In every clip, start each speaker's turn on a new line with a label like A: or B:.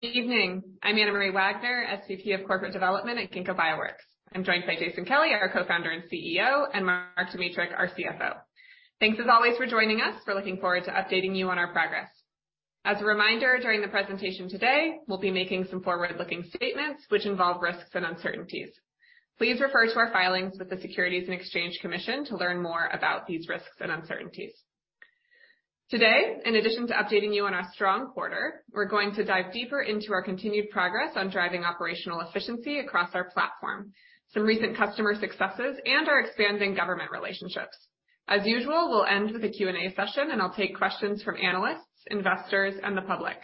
A: Good evening. I'm Anna Marie Wagner, SVP of Corporate Development at Ginkgo Bioworks. I'm joined by Jason Kelly, our Co-founder and CEO, and Mark Dmytruk, our CFO. Thanks, as always, for joining us. We're looking forward to updating you on our progress. As a reminder, during the presentation today, we'll be making some forward-looking statements which involve risks and uncertainties. Please refer to our filings with the Securities and Exchange Commission to learn more about these risks and uncertainties. Today, in addition to updating you on our strong quarter, we're going to dive deeper into our continued progress on driving operational efficiency across our platform, some recent customer successes, and our expanding government relationships. As usual, we'll end with a Q&A session. I'll take questions from analysts, investors, and the public.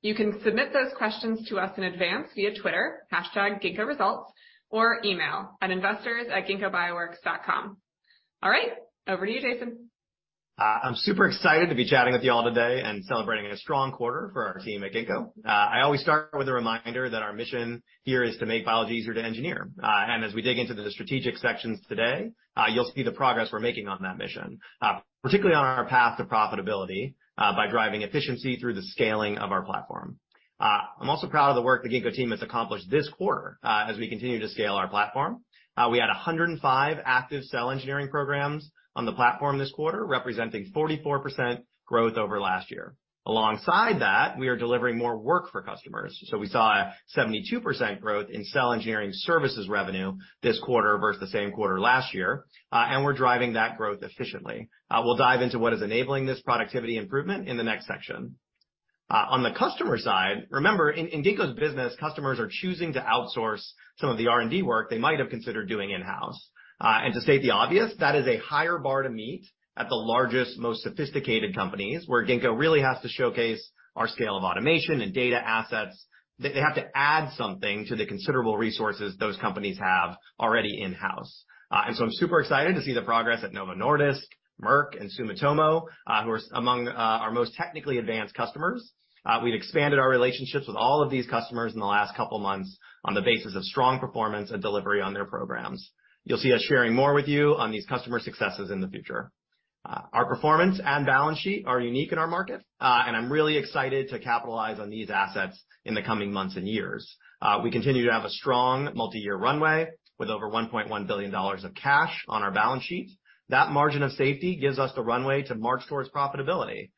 A: You can submit those questions to us in advance via Twitter, hashtag #GinkgoResults or email at investors@ginkgobioworks.com. All right, over to you, Jason.
B: I'm super excited to be chatting with you all today and celebrating a strong quarter for our team at Ginkgo. I always start with a reminder that our mission here is to make biology easier to engineer. As we dig into the strategic sections today, you'll see the progress we're making on that mission, particularly on our path to profitability, by driving efficiency through the scaling of our platform. I'm also proud of the work the Ginkgo team has accomplished this quarter, as we continue to scale our platform. We had 105 active cell engineering programs on the platform this quarter, representing 44% growth over last year. Alongside that, we are delivering more work for customers. We saw a 72% growth in cell engineering services revenue this quarter versus the same quarter last year, and we're driving that growth efficiently. We'll dive into what is enabling this productivity improvement in the next section. On the customer side, remember, in Ginkgo's business, customers are choosing to outsource some of the R&D work they might have considered doing in-house. And to state the obvious, that is a higher bar to meet at the largest, most sophisticated companies, where Ginkgo really has to showcase our scale of automation and data assets. They, they have to add something to the considerable resources those companies have already in-house. And so I'm super excited to see the progress at Novo Nordisk, Merck and Sumitomo, who are among our most technically advanced customers. We've expanded our relationships with all of these customers in the last couple of months on the basis of strong performance and delivery on their programs. You'll see us sharing more with you on these customer successes in the future. Our performance and balance sheet are unique in our market, and I'm really excited to capitalize on these assets in the coming months and years. We continue to have a strong multi-year runway with over $1.1 billion of cash on our balance sheet. That margin of safety gives us the runway to march towards profitability,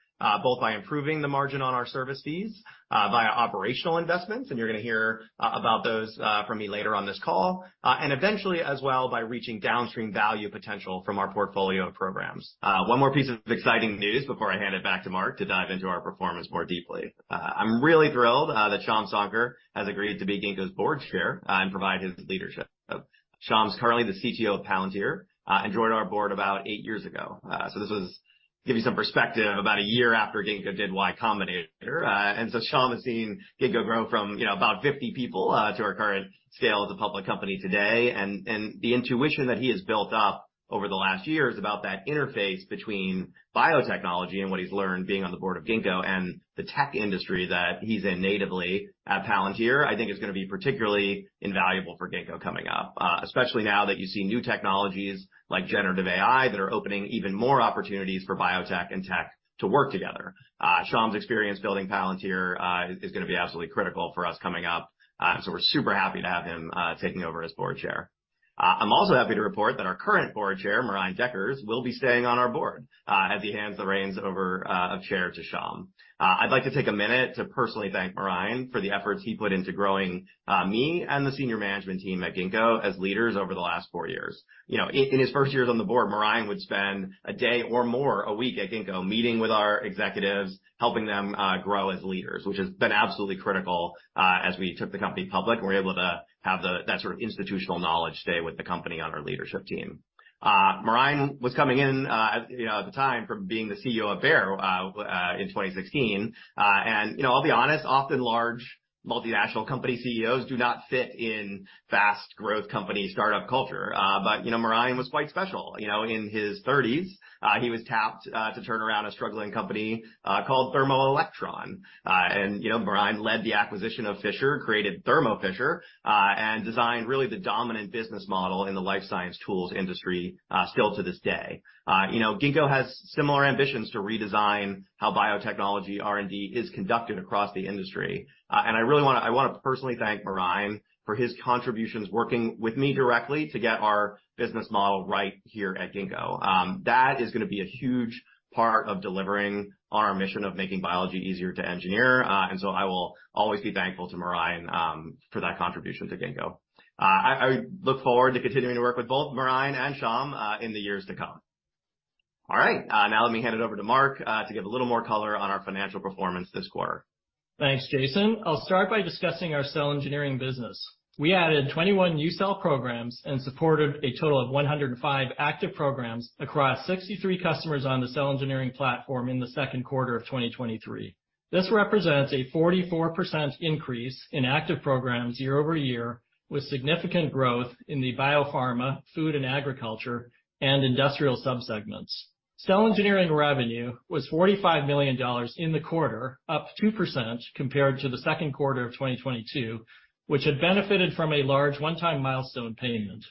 B: both by improving the margin on our service fees, via operational investments, and you're going to hear about those from me later on this call, and eventually as well, by reaching downstream value potential from our portfolio of programs. One more piece of exciting news before I hand it back to Mark Dmytruk to dive into our performance more deeply. I'm really thrilled that Shyam Sankar has agreed to be Ginkgo's Board Chair and provide his leadership. Shyam is currently the CTO of Palantir and joined our board about eight years ago. So this was, to give you some perspective, about one year after Ginkgo did Y Combinator. Shyam has seen Ginkgo grow from, you know, about 50 people to our current scale as a public company today, and the intuition that he has built up over the last years about that interface between biotechnology and what he's learned being on the board of Ginkgo and the tech industry that he's in natively at Palantir, I think is going to be particularly invaluable for Ginkgo coming up, especially now that you see new technologies like generative AI, that are opening even more opportunities for biotech and tech to work together. Shyam's experience building Palantir is going to be absolutely critical for us coming up. We're super happy to have him taking over as Board Chair. I'm also happy to report that our current Board Chair, Marijn Dekkers, will be staying on our board as he hands the reins over of chair to Shyam. I'd like to take a minute to personally thank Marijn for the efforts he put into growing me and the senior management team at Ginkgo as leaders over the last four years. You know, in his first years on the board, Marijn would spend a day or more a week at Ginkgo, meeting with our executives, helping them grow as leaders, which has been absolutely critical as we took the company public, and we're able to have that sort of institutional knowledge stay with the company on our leadership team. Marijn was coming in, you know, at the time from being the CEO of Bayer in 2016. You know, I'll be honest, often large multinational company CEOs do not fit in fast growth company startup culture. You know, Marijn was quite special. You know, in his 30s, he was tapped to turn around a struggling company called Thermo Electron. You know, Marijn led the acquisition of Fisher, created Thermo Fisher, and designed really the dominant business model in the life science tools industry still to this day. You know, Ginkgo has similar ambitions to redesign how biotechnology R&D is conducted across the industry. I really want to personally thank Marijn for his contributions, working with me directly to get our business model right here at Ginkgo. That is going to be a huge part of delivering on our mission of making biology easier to engineer. I will always be thankful to Marijn for that contribution to Ginkgo. I, I look forward to continuing to work with both Marijn and Shyam in the years to come. All right, now let me hand it over to Mark to give a little more color on our financial performance this quarter.
C: Thanks, Jason. I'll start by discussing our cell engineering business. We added 21 new cell programs and supported a total of 105 active programs across 63 customers on the cell engineering platform in the second quarter of 2023. This represents a 44% increase in active programs year-over-year, with significant growth in the biopharma, food and agriculture, and industrial subsegments. Cell engineering revenue was $45 million in the quarter, up 2% compared to the second quarter of 2022, which had benefited from a large one-time milestone payment.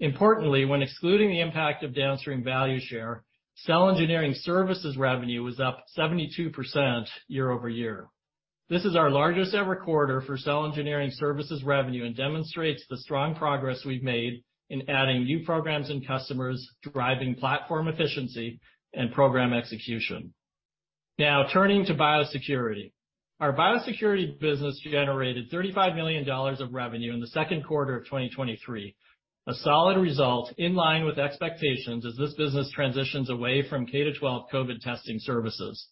C: Importantly, when excluding the impact of downstream value share, cell engineering services revenue was up 72% year-over-year. This is our largest ever quarter for cell engineering services revenue and demonstrates the strong progress we've made in adding new programs and customers, driving platform efficiency and program execution. Now, turning to biosecurity. Our biosecurity business generated $35 million of revenue in the second quarter of 2023. A solid result in line with expectations as this business transitions away from K-12 COVID testing services.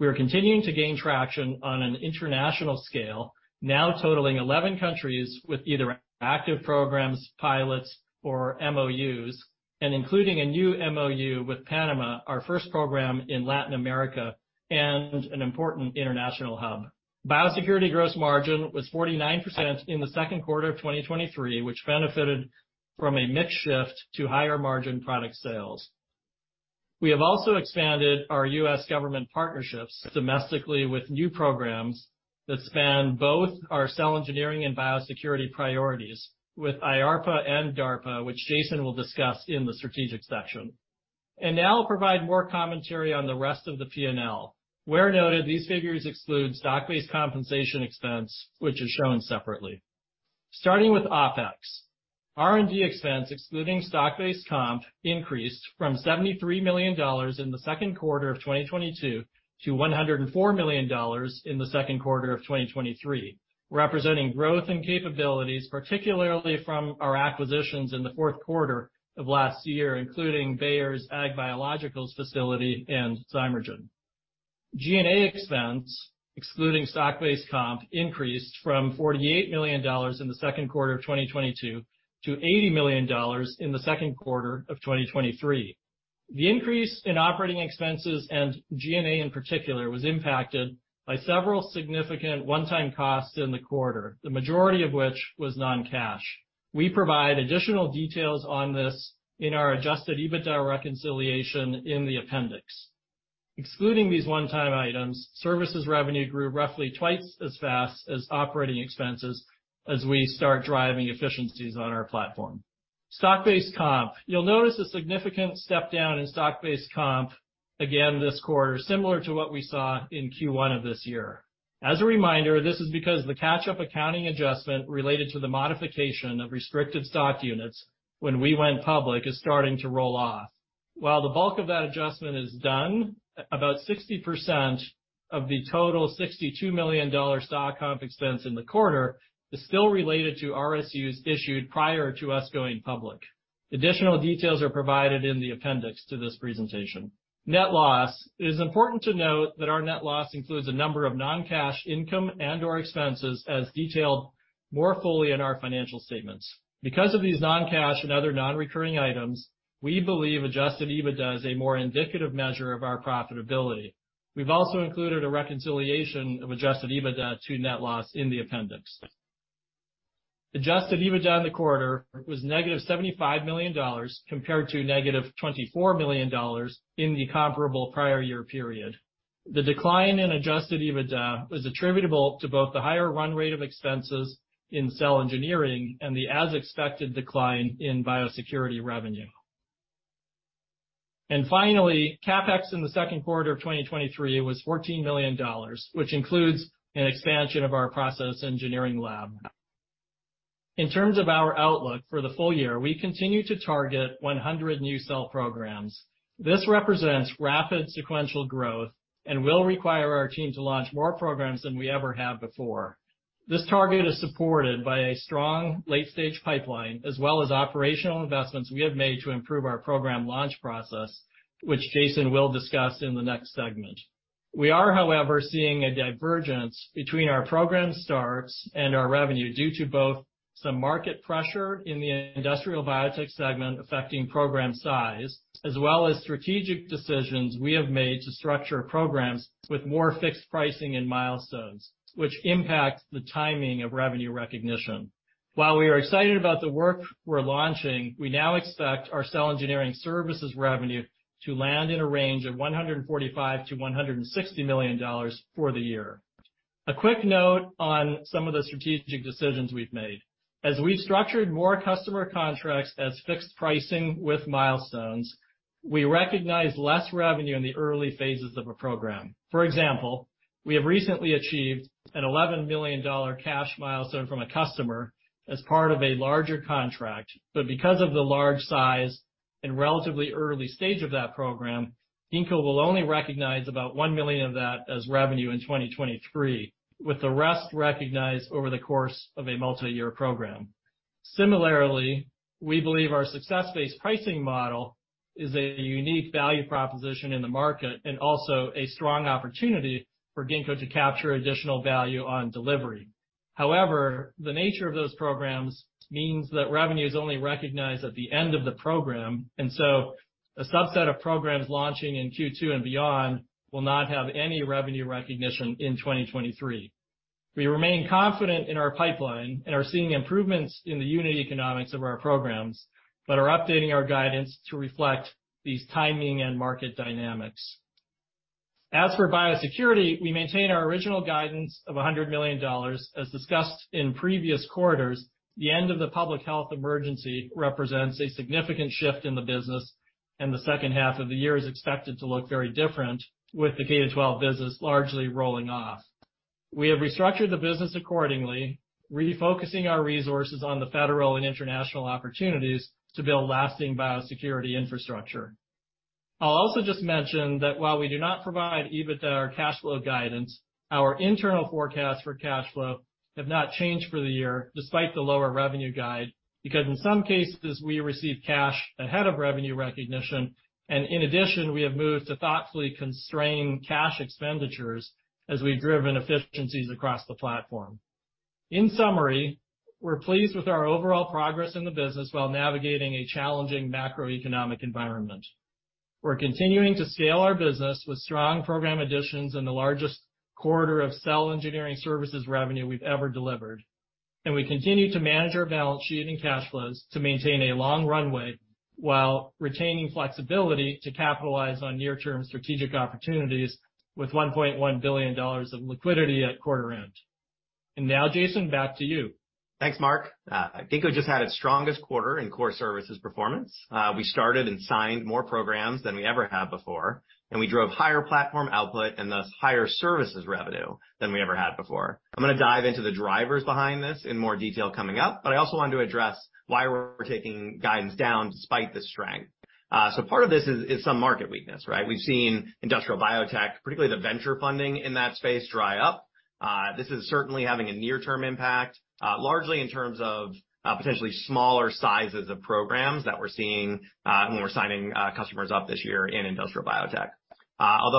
C: We are continuing to gain traction on an international scale, now totaling 11 countries with either active programs, pilots, or MOUs, and including a new MOU with Panama, our first program in Latin America, and an important international hub. Biosecurity gross margin was 49% in the second quarter of 2023, which benefited from a mix shift to higher margin product sales. We have also expanded our U.S. government partnerships domestically with new programs that span both our cell engineering and biosecurity priorities with IARPA and DARPA, which Jason will discuss in the strategic section. Now I'll provide more commentary on the rest of the P&L. Where noted, these figures exclude stock-based compensation expense, which is shown separately. Starting with OpEx. R&D expense, excluding stock-based comp, increased from $73 million in the second quarter of 2022 to $104 million in the second quarter of 2023, representing growth and capabilities, particularly from our acquisitions in the fourth quarter of last year, including Bayer's Ag Biologicals facility and Zymergen. G&A expense, excluding stock-based comp, increased from $48 million in the second quarter of 2022 to $80 million in the second quarter of 2023. The increase in operating expenses and G&A, in particular, was impacted by several significant one-time costs in the quarter, the majority of which was non-cash. We provide additional details on this in our Adjusted EBITDA reconciliation in the appendix. Excluding these one-time items, services revenue grew roughly twice as fast as operating expenses as we start driving efficiencies on our platform. Stock-based comp. You'll notice a significant step down in stock-based comp again this quarter, similar to what we saw in Q1 of this year. As a reminder, this is because the catch-up accounting adjustment related to the modification of restricted stock units when we went public, is starting to roll off. While the bulk of that adjustment is done, about 60% of the total $62 million stock comp expense in the quarter is still related to RSUs issued prior to us going public. Additional details are provided in the appendix to this presentation. Net loss. It is important to note that our net loss includes a number of non-cash income and/or expenses, as detailed more fully in our financial statements. Because of these non-cash and other non-recurring items, we believe Adjusted EBITDA is a more indicative measure of our profitability. We've also included a reconciliation of Adjusted EBITDA to net loss in the appendix. Adjusted EBITDA in the quarter was negative $75 million, compared to negative $24 million in the comparable prior year period. The decline in Adjusted EBITDA was attributable to both the higher run rate of expenses in cell engineering and the as-expected decline in biosecurity revenue. Finally, CapEx in the second quarter of 2023 was $14 million, which includes an expansion of our process engineering lab. In terms of our outlook for the full year, we continue to target 100 new cell programs. This represents rapid sequential growth and will require our team to launch more programs than we ever have before. This target is supported by a strong late-stage pipeline, as well as operational investments we have made to improve our program launch process, which Jason will discuss in the next segment. We are, however, seeing a divergence between our program starts and our revenue due to both some market pressure in the industrial biotech segment affecting program size, as well as strategic decisions we have made to structure programs with more fixed pricing and milestones, which impact the timing of revenue recognition. While we are excited about the work we're launching, we now expect our cell engineering services revenue to land in a range of $145 million-$160 million for the year. A quick note on some of the strategic decisions we've made. As we've structured more customer contracts as fixed pricing with milestones, we recognize less revenue in the early phases of a program. For example, we have recently achieved an $11 million cash milestone from a customer as part of a larger contract, but because of the large size and relatively early stage of that program, Ginkgo will only recognize about $1 million of that as revenue in 2023, with the rest recognized over the course of a multi-year program. Similarly, we believe our success-based pricing model is a unique value proposition in the market and also a strong opportunity for Ginkgo to capture additional value on delivery. However, the nature of those programs means that revenue is only recognized at the end of the program, and so a subset of programs launching in Q2 and beyond will not have any revenue recognition in 2023. We remain confident in our pipeline and are seeing improvements in the unit economics of our programs, but are updating our guidance to reflect these timing and market dynamics.... As for biosecurity, we maintain our original guidance of $100 million. As discussed in previous quarters, the end of the public health emergency represents a significant shift in the business, and the second half of the year is expected to look very different with the K-12 business largely rolling off. We have restructured the business accordingly, refocusing our resources on the federal and international opportunities to build lasting biosecurity infrastructure. I'll also just mention that while we do not provide EBITDA or cash flow guidance, our internal forecasts for cash flow have not changed for the year despite the lower revenue guide, because in some cases, we receive cash ahead of revenue recognition, and in addition, we have moved to thoughtfully constrain cash expenditures as we've driven efficiencies across the platform. In summary, we're pleased with our overall progress in the business while navigating a challenging macroeconomic environment. We're continuing to scale our business with strong program additions in the largest quarter of cell engineering services revenue we've ever delivered, and we continue to manage our balance sheet and cash flows to maintain a long runway while retaining flexibility to capitalize on near-term strategic opportunities with $1.1 billion of liquidity at quarter end. Now, Jason, back to you.
B: Thanks, Mark. Ginkgo just had its strongest quarter in core services performance. We started and signed more programs than we ever have before, and we drove higher platform output and thus higher services revenue than we ever had before. I'm going to dive into the drivers behind this in more detail coming up. I also wanted to address why we're taking guidance down despite this strength. Part of this is, is some market weakness, right? We've seen industrial biotech, particularly the venture funding in that space, dry up. This is certainly having a near-term impact, largely in terms of, potentially smaller sizes of programs that we're seeing, when we're signing, customers up this year in industrial biotech.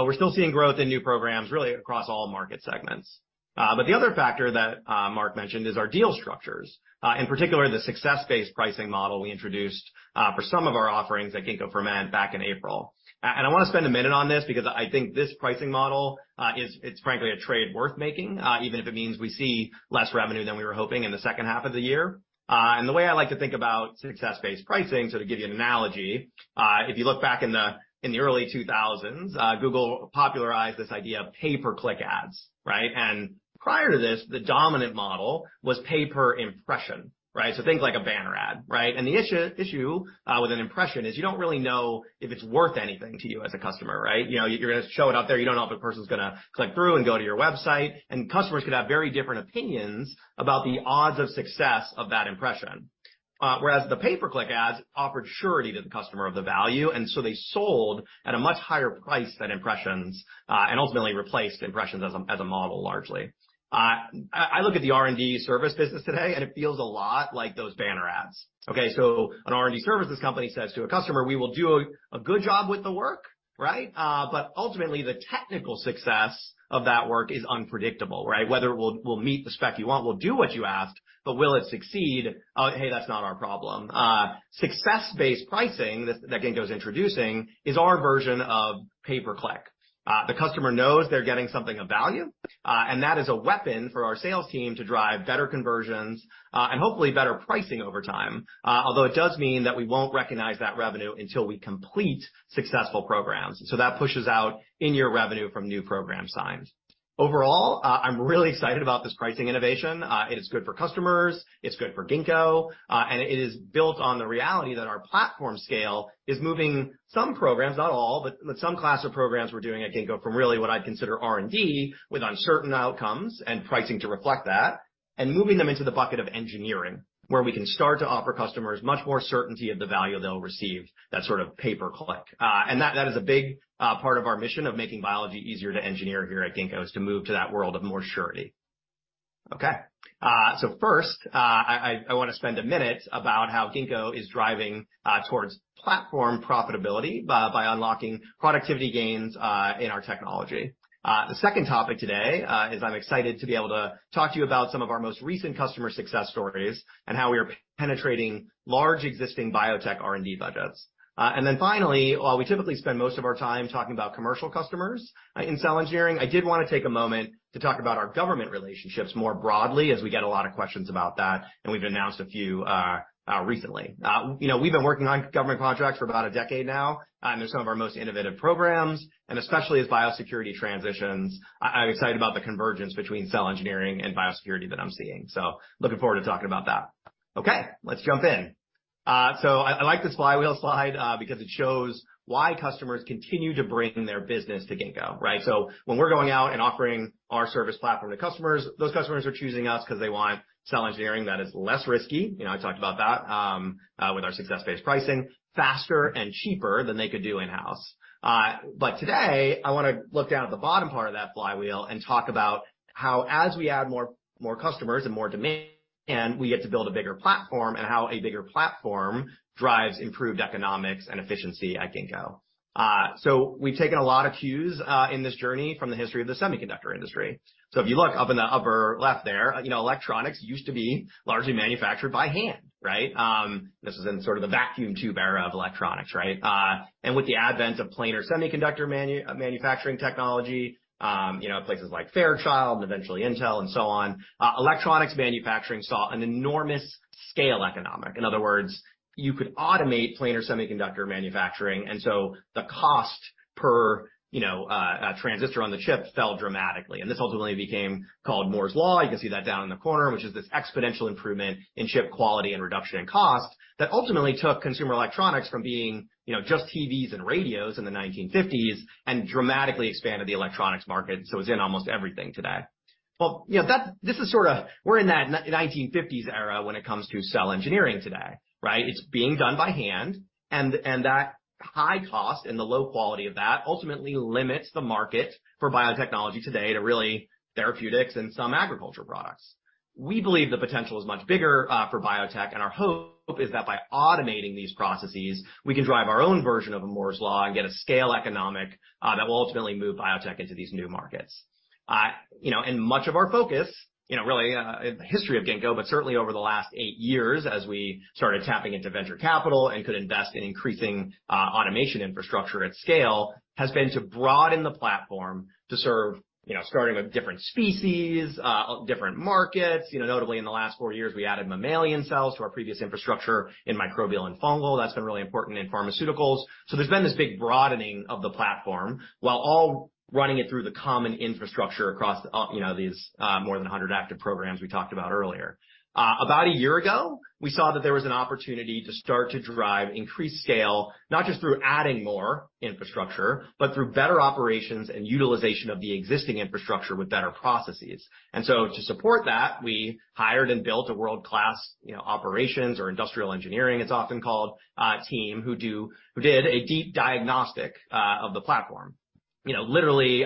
B: We're still seeing growth in new programs really across all market segments. The other factor that Mark mentioned is our deal structures, in particular, the success-based pricing model we introduced for some of our offerings at Ginkgo Ferment back in April. I want to spend a minute on this because I think this pricing model is it's frankly a trade worth making, even if it means we see less revenue than we were hoping in the second half of the year. The way I like to think about success-based pricing, to give you an analogy, if you look back in the, in the early 2000s, Google popularized this idea of pay-per-click ads, right? Prior to this, the dominant model was pay per impression, right? Think like a banner ad, right? The issue, issue, with an impression is you don't really know if it's worth anything to you as a customer, right? You know, you're going to show it out there. You don't know if a person's going to click through and go to your website, and customers could have very different opinions about the odds of success of that impression. Whereas the pay-per-click ads offered surety to the customer of the value, and so they sold at a much higher price than impressions, and ultimately replaced impressions as a, as a model, largely. I, I look at the R&D service business today, and it feels a lot like those banner ads. Okay, so an R&D services company says to a customer, "We will do a, a good job with the work," right? But ultimately, the technical success of that work is unpredictable, right? Whether we'll, we'll meet the spec you want, we'll do what you asked, but will it succeed? Hey, that's not our problem. Success-based pricing that, that Ginkgo's introducing is our version of pay-per-click. The customer knows they're getting something of value, and that is a weapon for our sales team to drive better conversions, and hopefully, better pricing over time. Although it does mean that we won't recognize that revenue until we complete successful programs, and so that pushes out in-year revenue from new program signs. Overall, I'm really excited about this pricing innovation. It is good for customers, it's good for Ginkgo, and it is built on the reality that our platform scale is moving some programs, not all, but some class of programs we're doing at Ginkgo from really what I'd consider R&D with uncertain outcomes and pricing to reflect that, and moving them into the bucket of engineering, where we can start to offer customers much more certainty of the value they'll receive, that sort of pay-per-click. That, that is a big part of our mission of making biology easier to engineer here at Ginkgo, is to move to that world of more surety. Okay, first, I, I, want to spend a minute about how Ginkgo is driving towards platform profitability by, by unlocking productivity gains in our technology. The second topic today is I'm excited to be able to talk to you about some of our most recent customer success stories and how we are penetrating large existing biotech R&D budgets. Then finally, while we typically spend most of our time talking about commercial customers in cell engineering, I did want to take a moment to talk about our government relationships more broadly, as we get a lot of questions about that, and we've announced a few recently. You know, we've been working on government contracts for about a decade now, and they're some of our most innovative programs, and especially as biosecurity transitions, I'm excited about the convergence between cell engineering and biosecurity that I'm seeing. Looking forward to talking about that. Okay, let's jump in. I, I like this flywheel slide, because it shows why customers continue to bring their business to Ginkgo, right? When we're going out and offering our service platform to customers, those customers are choosing us because they want cell engineering that is less risky, you know, I talked about that, with our success-based pricing, faster and cheaper than they could do in-house. Today, I want to look down at the bottom part of that flywheel and talk about how, as we add more, more customers and more demand, we get to build a bigger platform, and how a bigger platform drives improved economics and efficiency at Ginkgo. We've taken a lot of cues, in this journey from the history of the semiconductor industry. If you look up in the upper left there, you know, electronics used to be largely manufactured by hand, right? This is in sort of the vacuum tube era of electronics, right? With the advent of planar semiconductor manufacturing technology, you know, places like Fairchild and eventually Intel and so on, electronics manufacturing saw an enormous scale economic. In other words, you could automate planar semiconductor manufacturing, and so the cost per, you know, transistor on the chip fell dramatically, and this ultimately became called Moore's Law. You can see that down in the corner, which is this exponential improvement in chip quality and reduction in cost, that ultimately took consumer electronics from being, you know, just TVs and radios in the 1950s and dramatically expanded the electronics market. It's in almost everything today. Well, you know, this is sort of, we're in that 1950s era when it comes to cell engineering today, right? It's being done by hand, and, and that high cost and the low quality of that ultimately limits the market for biotechnology today to really therapeutics and some agriculture products. We believe the potential is much bigger for biotech, and our hope is that by automating these processes, we can drive our own version of a Moore's Law and get a scale economic that will ultimately move biotech into these new markets. You know, and much of our focus, you know, really, in the history of Ginkgo, but certainly over the last 8 years, as we started tapping into venture capital and could invest in increasing automation infrastructure at scale, has been to broaden the platform to serve, you know, starting with different species, different markets. You know, notably in the last 4 years, we added mammalian cells to our previous infrastructure in microbial and fungal. That's been really important in pharmaceuticals. So there's been this big broadening of the platform while all running it through the common infrastructure across, you know, these more than 100 active programs we talked about earlier. About a year ago, we saw that there was an opportunity to start to drive increased scale, not just through adding more infrastructure, but through better operations and utilization of the existing infrastructure with better processes. To support that, we hired and built a world-class, you know, operations or industrial engineering, it's often called, team, who did a deep diagnostic of the platform. You know, literally,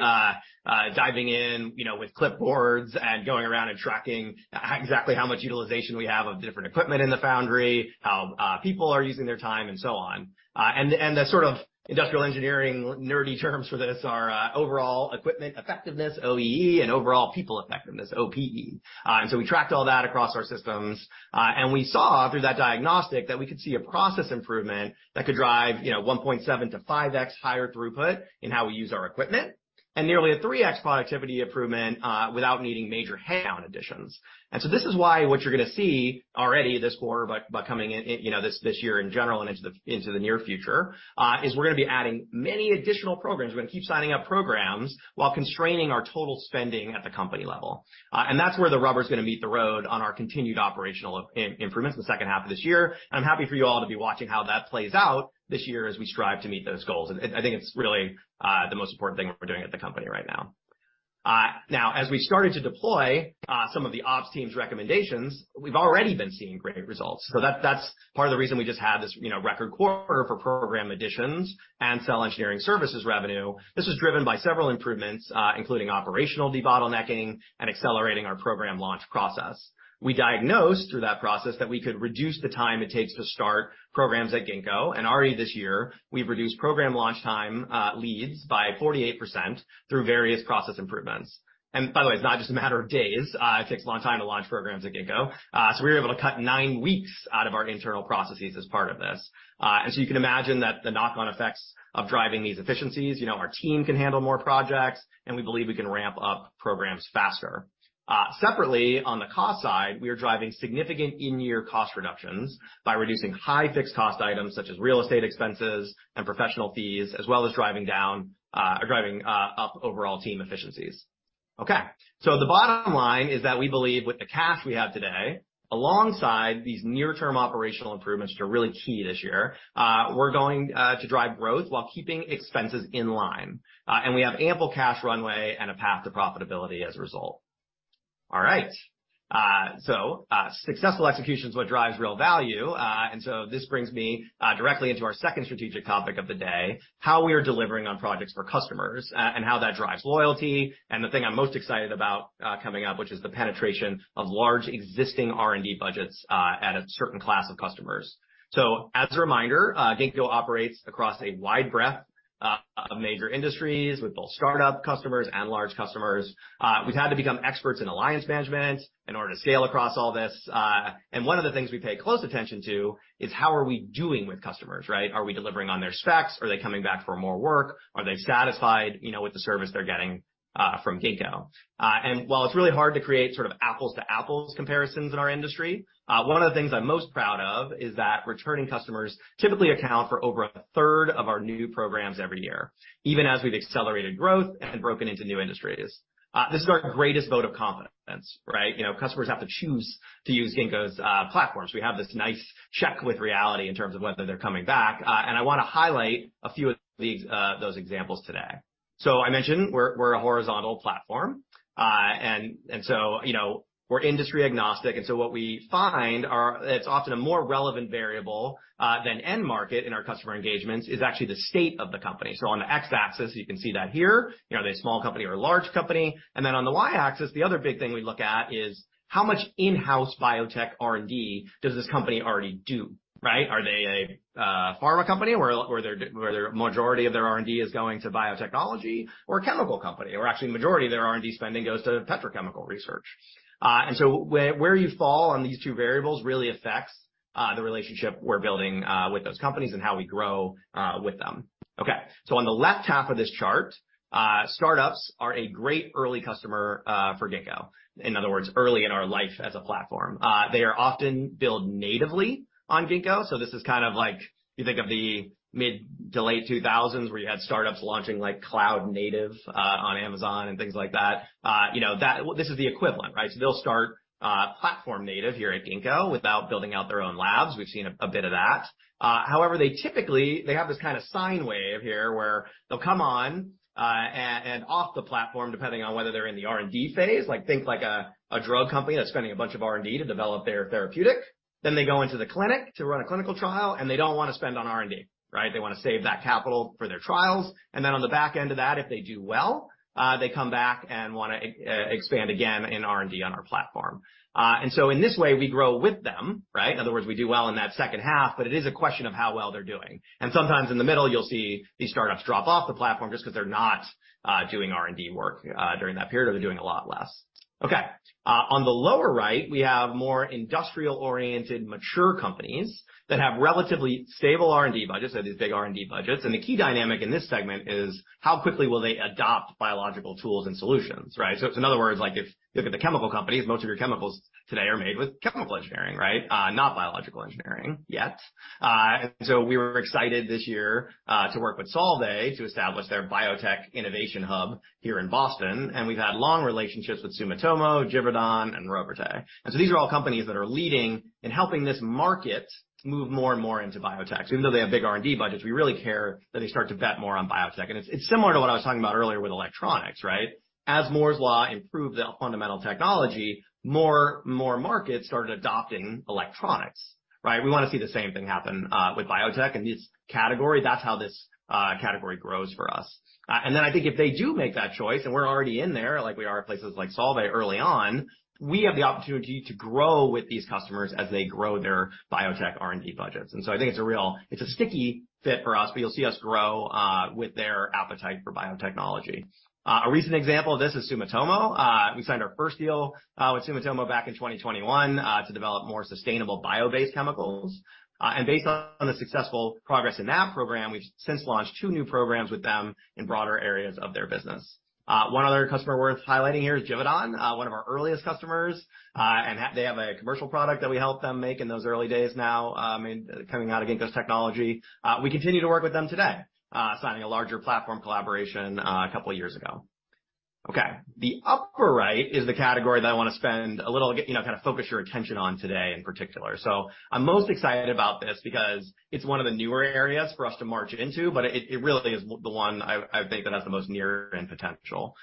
B: diving in, you know, with clipboards and going around and tracking exactly how much utilization we have of different equipment in the foundry, how people are using their time, and so on. The, and the sort of industrial engineering nerdy terms for this are overall equipment effectiveness, OEE, and overall people effectiveness, OPE. We tracked all that across our systems, and we saw through that diagnostic that we could see a process improvement that could drive, you know, 1.7x-5x higher throughput in how we use our equipment, and nearly a 3x productivity improvement, without needing major handout additions. This is why what you're gonna see already this quarter, but, but coming in, in, you know, this, this year in general and into the, into the near future, is we're gonna be adding many additional programs. We're gonna keep signing up programs while constraining our total spending at the company level. That's where the rubber is gonna meet the road on our continued operational improvements in the second half of this year. I'm happy for you all to be watching how that plays out this year as we strive to meet those goals. I, I think it's really the most important thing we're doing at the company right now. Now, as we started to deploy some of the ops team's recommendations, we've already been seeing great results. That's part of the reason we just had this, you know, record quarter for program additions and cell engineering services revenue. This was driven by several improvements, including operational debottlenecking and accelerating our program launch process. We diagnosed through that process that we could reduce the time it takes to start programs at Ginkgo, already this year, we've reduced program launch time leads by 48% through various process improvements. By the way, it's not just a matter of days. It takes a long time to launch programs at Ginkgo. We were able to cut nine weeks out of our internal processes as part of this. You can imagine that the knock-on effects of driving these efficiencies, you know, our team can handle more projects, and we believe we can ramp up programs faster. Separately, on the cost side, we are driving significant in-year cost reductions by reducing high fixed cost items such as real estate expenses and professional fees, as well as driving down, or driving, up overall team efficiencies. Okay, the bottom line is that we believe with the cash we have today, alongside these near-term operational improvements, which are really key this year, we're going to drive growth while keeping expenses in line. We have ample cash runway and a path to profitability as a result. All right, successful execution is what drives real value. This brings me directly into our second strategic topic of the day, how we are delivering on projects for customers, and how that drives loyalty, and the thing I'm most excited about, coming up, which is the penetration of large existing R&D budgets at a certain class of customers. As a reminder, Ginkgo operates across a wide breadth of major industries, with both startup customers and large customers. We've had to become experts in alliance management in order to scale across all this, and one of the things we pay close attention to is how are we doing with customers, right? Are we delivering on their specs? Are they coming back for more work? Are they satisfied, you know, with the service they're getting, from Ginkgo? While it's really hard to create sort of apples to apples comparisons in our industry, one of the things I'm most proud of is that returning customers typically account for over a third of our new programs every year, even as we've accelerated growth and broken into new industries. This is our greatest vote of confidence, right? You know, customers have to choose to use Ginkgo's platforms. We have this nice check with reality in terms of whether they're coming back. I wanna highlight a few of the those examples today. I mentioned we're, we're a horizontal platform, and so, you know, we're industry agnostic, and so what we find are... It's often a more relevant variable, than end market in our customer engagements is actually the state of the company. On the x-axis, you can see that here, you know, are they a small company or a large company? On the y-axis, the other big thing we look at is: How much in-house biotech R&D does this company already do? Right? Are they a pharma company where, where their, where their majority of their R&D is going to biotechnology or a chemical company, where actually the majority of their R&D spending goes to petrochemical research? Where, where you fall on these two variables really affects the relationship we're building with those companies and how we grow with them. On the left half of this chart, startups are a great early customer for Ginkgo. In other words, early in our life as a platform. They are often built natively on Ginkgo, so this is kind of like you think of the mid to late 2000s, where you had startups launching, like, cloud native, on Amazon and things like that. You know, that this is the equivalent, right? They'll start platform native here at Ginkgo without building out their own labs. We've seen a, a bit of that. However, they have this kind of sine wave here, where they'll come on and off the platform, depending on whether they're in the R&D phase. Like, think like a, a drug company that's spending a bunch of R&D to develop their therapeutic. They go into the clinic to run a clinical trial, and they don't want to spend on R&D, right? They wanna save that capital for their trials, then on the back end of that, if they do well, they come back and wanna expand again in R&D on our platform. So in this way, we grow with them, right? In other words, we do well in that second half, but it is a question of how well they're doing. Sometimes in the middle, you'll see these startups drop off the platform just 'cause they're not doing R&D work during that period, or they're doing a lot less. On the lower right, we have more industrial-oriented, mature companies that have relatively stable R&D budgets, that is, big R&D budgets, and the key dynamic in this segment is: How quickly will they adopt biological tools and solutions, right? In other words, like, if you look at the chemical companies, most of your chemicals today are made with chemical engineering, right? Not biological engineering, yet. We were excited this year to work with Solvay to establish their biotech innovation hub here in Boston, and we've had long relationships with Sumitomo, Givaudan, and Robertet. These are all companies that are leading in helping this market move more and more into biotech. Even though they have big R&D budgets, we really care that they start to bet more on biotech. It's, it's similar to what I was talking about earlier with electronics, right? As Moore's Law improved the fundamental technology, more, more markets started adopting electronics, right? We wanna see the same thing happen with biotech in this category. That's how this category grows for us. Then I think if they do make that choice, and we're already in there, like we are at places like Solvay early on, we have the opportunity to grow with these customers as they grow their biotech R&D budgets. So I think it's a sticky fit for us, but you'll see us grow with their appetite for biotechnology. A recent example of this is Sumitomo. We signed our first deal with Sumitomo back in 2021 to develop more sustainable bio-based chemicals. Based on the successful progress in that program, we've since launched two new programs with them in broader areas of their business. One other customer worth highlighting here is Givaudan, one of our earliest customers. They have a commercial product that we helped them make in those early days now, and coming out of Ginkgo's technology. We continue to work with them today, signing a larger platform collaboration, a couple of years ago. Okay, the upper right is the category that I wanna spend a little, you know, kind of focus your attention on today in particular. I'm most excited about this because it's one of the newer areas for us to march into, but it, it really is the one I think that has the most near-in potential.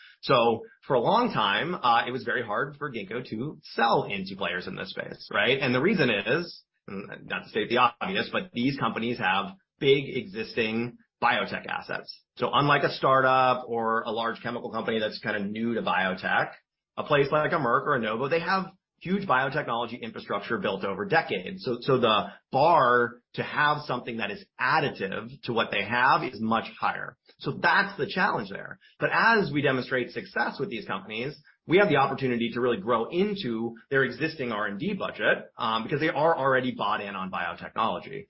B: For a long time, it was very hard for Ginkgo to sell into players in this space, right? The reason is, not to state the obvious, but these companies have big existing biotech assets. Unlike a startup or a large chemical company that's kind of new to biotech, a place like a Merck or a Novo, they have huge biotechnology infrastructure built over decades. The bar to have something that is additive to what they have is much higher. That's the challenge there. As we demonstrate success with these companies, we have the opportunity to really grow into their existing R&D budget, because they are already bought in on biotechnology.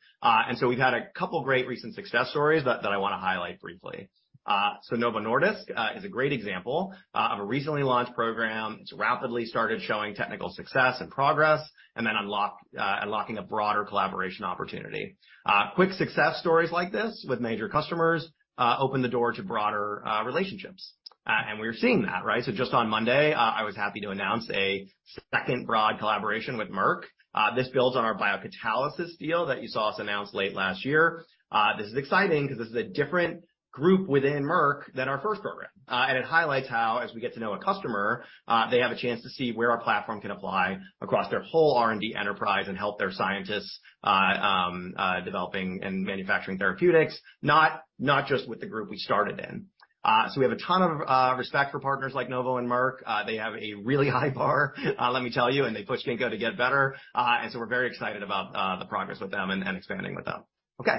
B: We've had a couple of great recent success stories that I wanna highlight briefly. Novo Nordisk is a great example of a recently launched program. It's rapidly started showing technical success and progress and then unlocking a broader collaboration opportunity. Quick success stories like this with major customers open the door to broader relationships, and we're seeing that, right? Just on Monday, I was happy to announce a second broad collaboration with Merck. This builds on our biocatalysis deal that you saw us announce late last year. This is exciting because this is a different group within Merck than our first program. It highlights how, as we get to know a customer, they have a chance to see where our platform can apply across their whole R&D enterprise and help their scientists developing and manufacturing therapeutics, not, not just with the group we started in. We have a ton of respect for partners like Novo and Merck. They have a really high bar, let me tell you, they push Ginkgo to get better. We're very excited about the progress with them and expanding with them. Okay,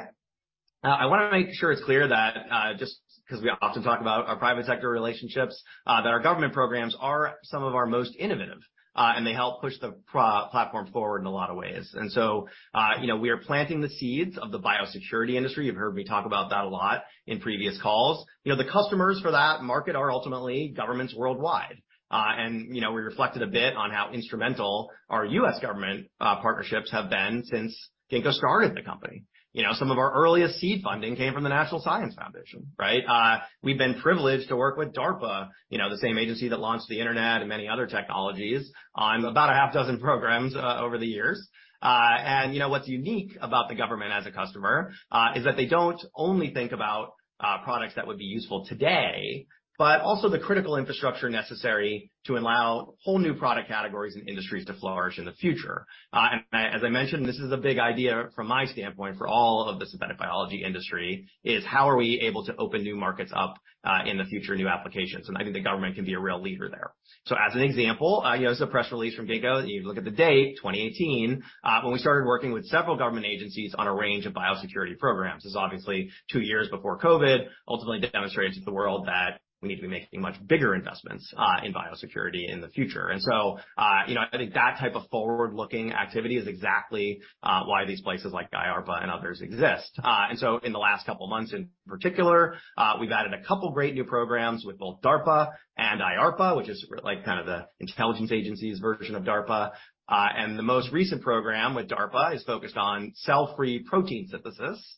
B: I wanna make sure it's clear that just 'cause we often talk about our private sector relationships, that our government programs are some of our most innovative, and they help push the platform forward in a lot of ways. You know, we are planting the seeds of the biosecurity industry. You've heard me talk about that a lot in previous calls. You know, the customers for that market are ultimately governments worldwide. You know, we reflected a bit on how instrumental our U.S. government partnerships have been since Ginkgo started the company. You know, some of our earliest seed funding came from the National Science Foundation, right? We've been privileged to work with DARPA, you know, the same agency that launched the Internet and many other technologies, on about a half-dozen programs over the years. And you know, what's unique about the government as a customer, is that they don't only think about products that would be useful today, but also the critical infrastructure necessary to allow whole new product categories and industries to flourish in the future. As I mentioned, this is a big idea from my standpoint, for all of the synthetic biology industry, is: How are we able to open new markets up in the future, new applications? I think the government can be a real leader there. As an example, here's a press release from Ginkgo. You look at the date, 2018, when we started working with several government agencies on a range of biosecurity programs. This is obviously two years before COVID, ultimately demonstrates to the world that we need to be making much bigger investments in biosecurity in the future. You know, I think that type of forward-looking activity is exactly why these places like IARPA and others exist. In the last couple of months, in particular, we've added a couple of great new programs with both DARPA and IARPA, which is, like, kind of the intelligence agency's version of DARPA. The most recent program with DARPA is focused on cell-free protein synthesis.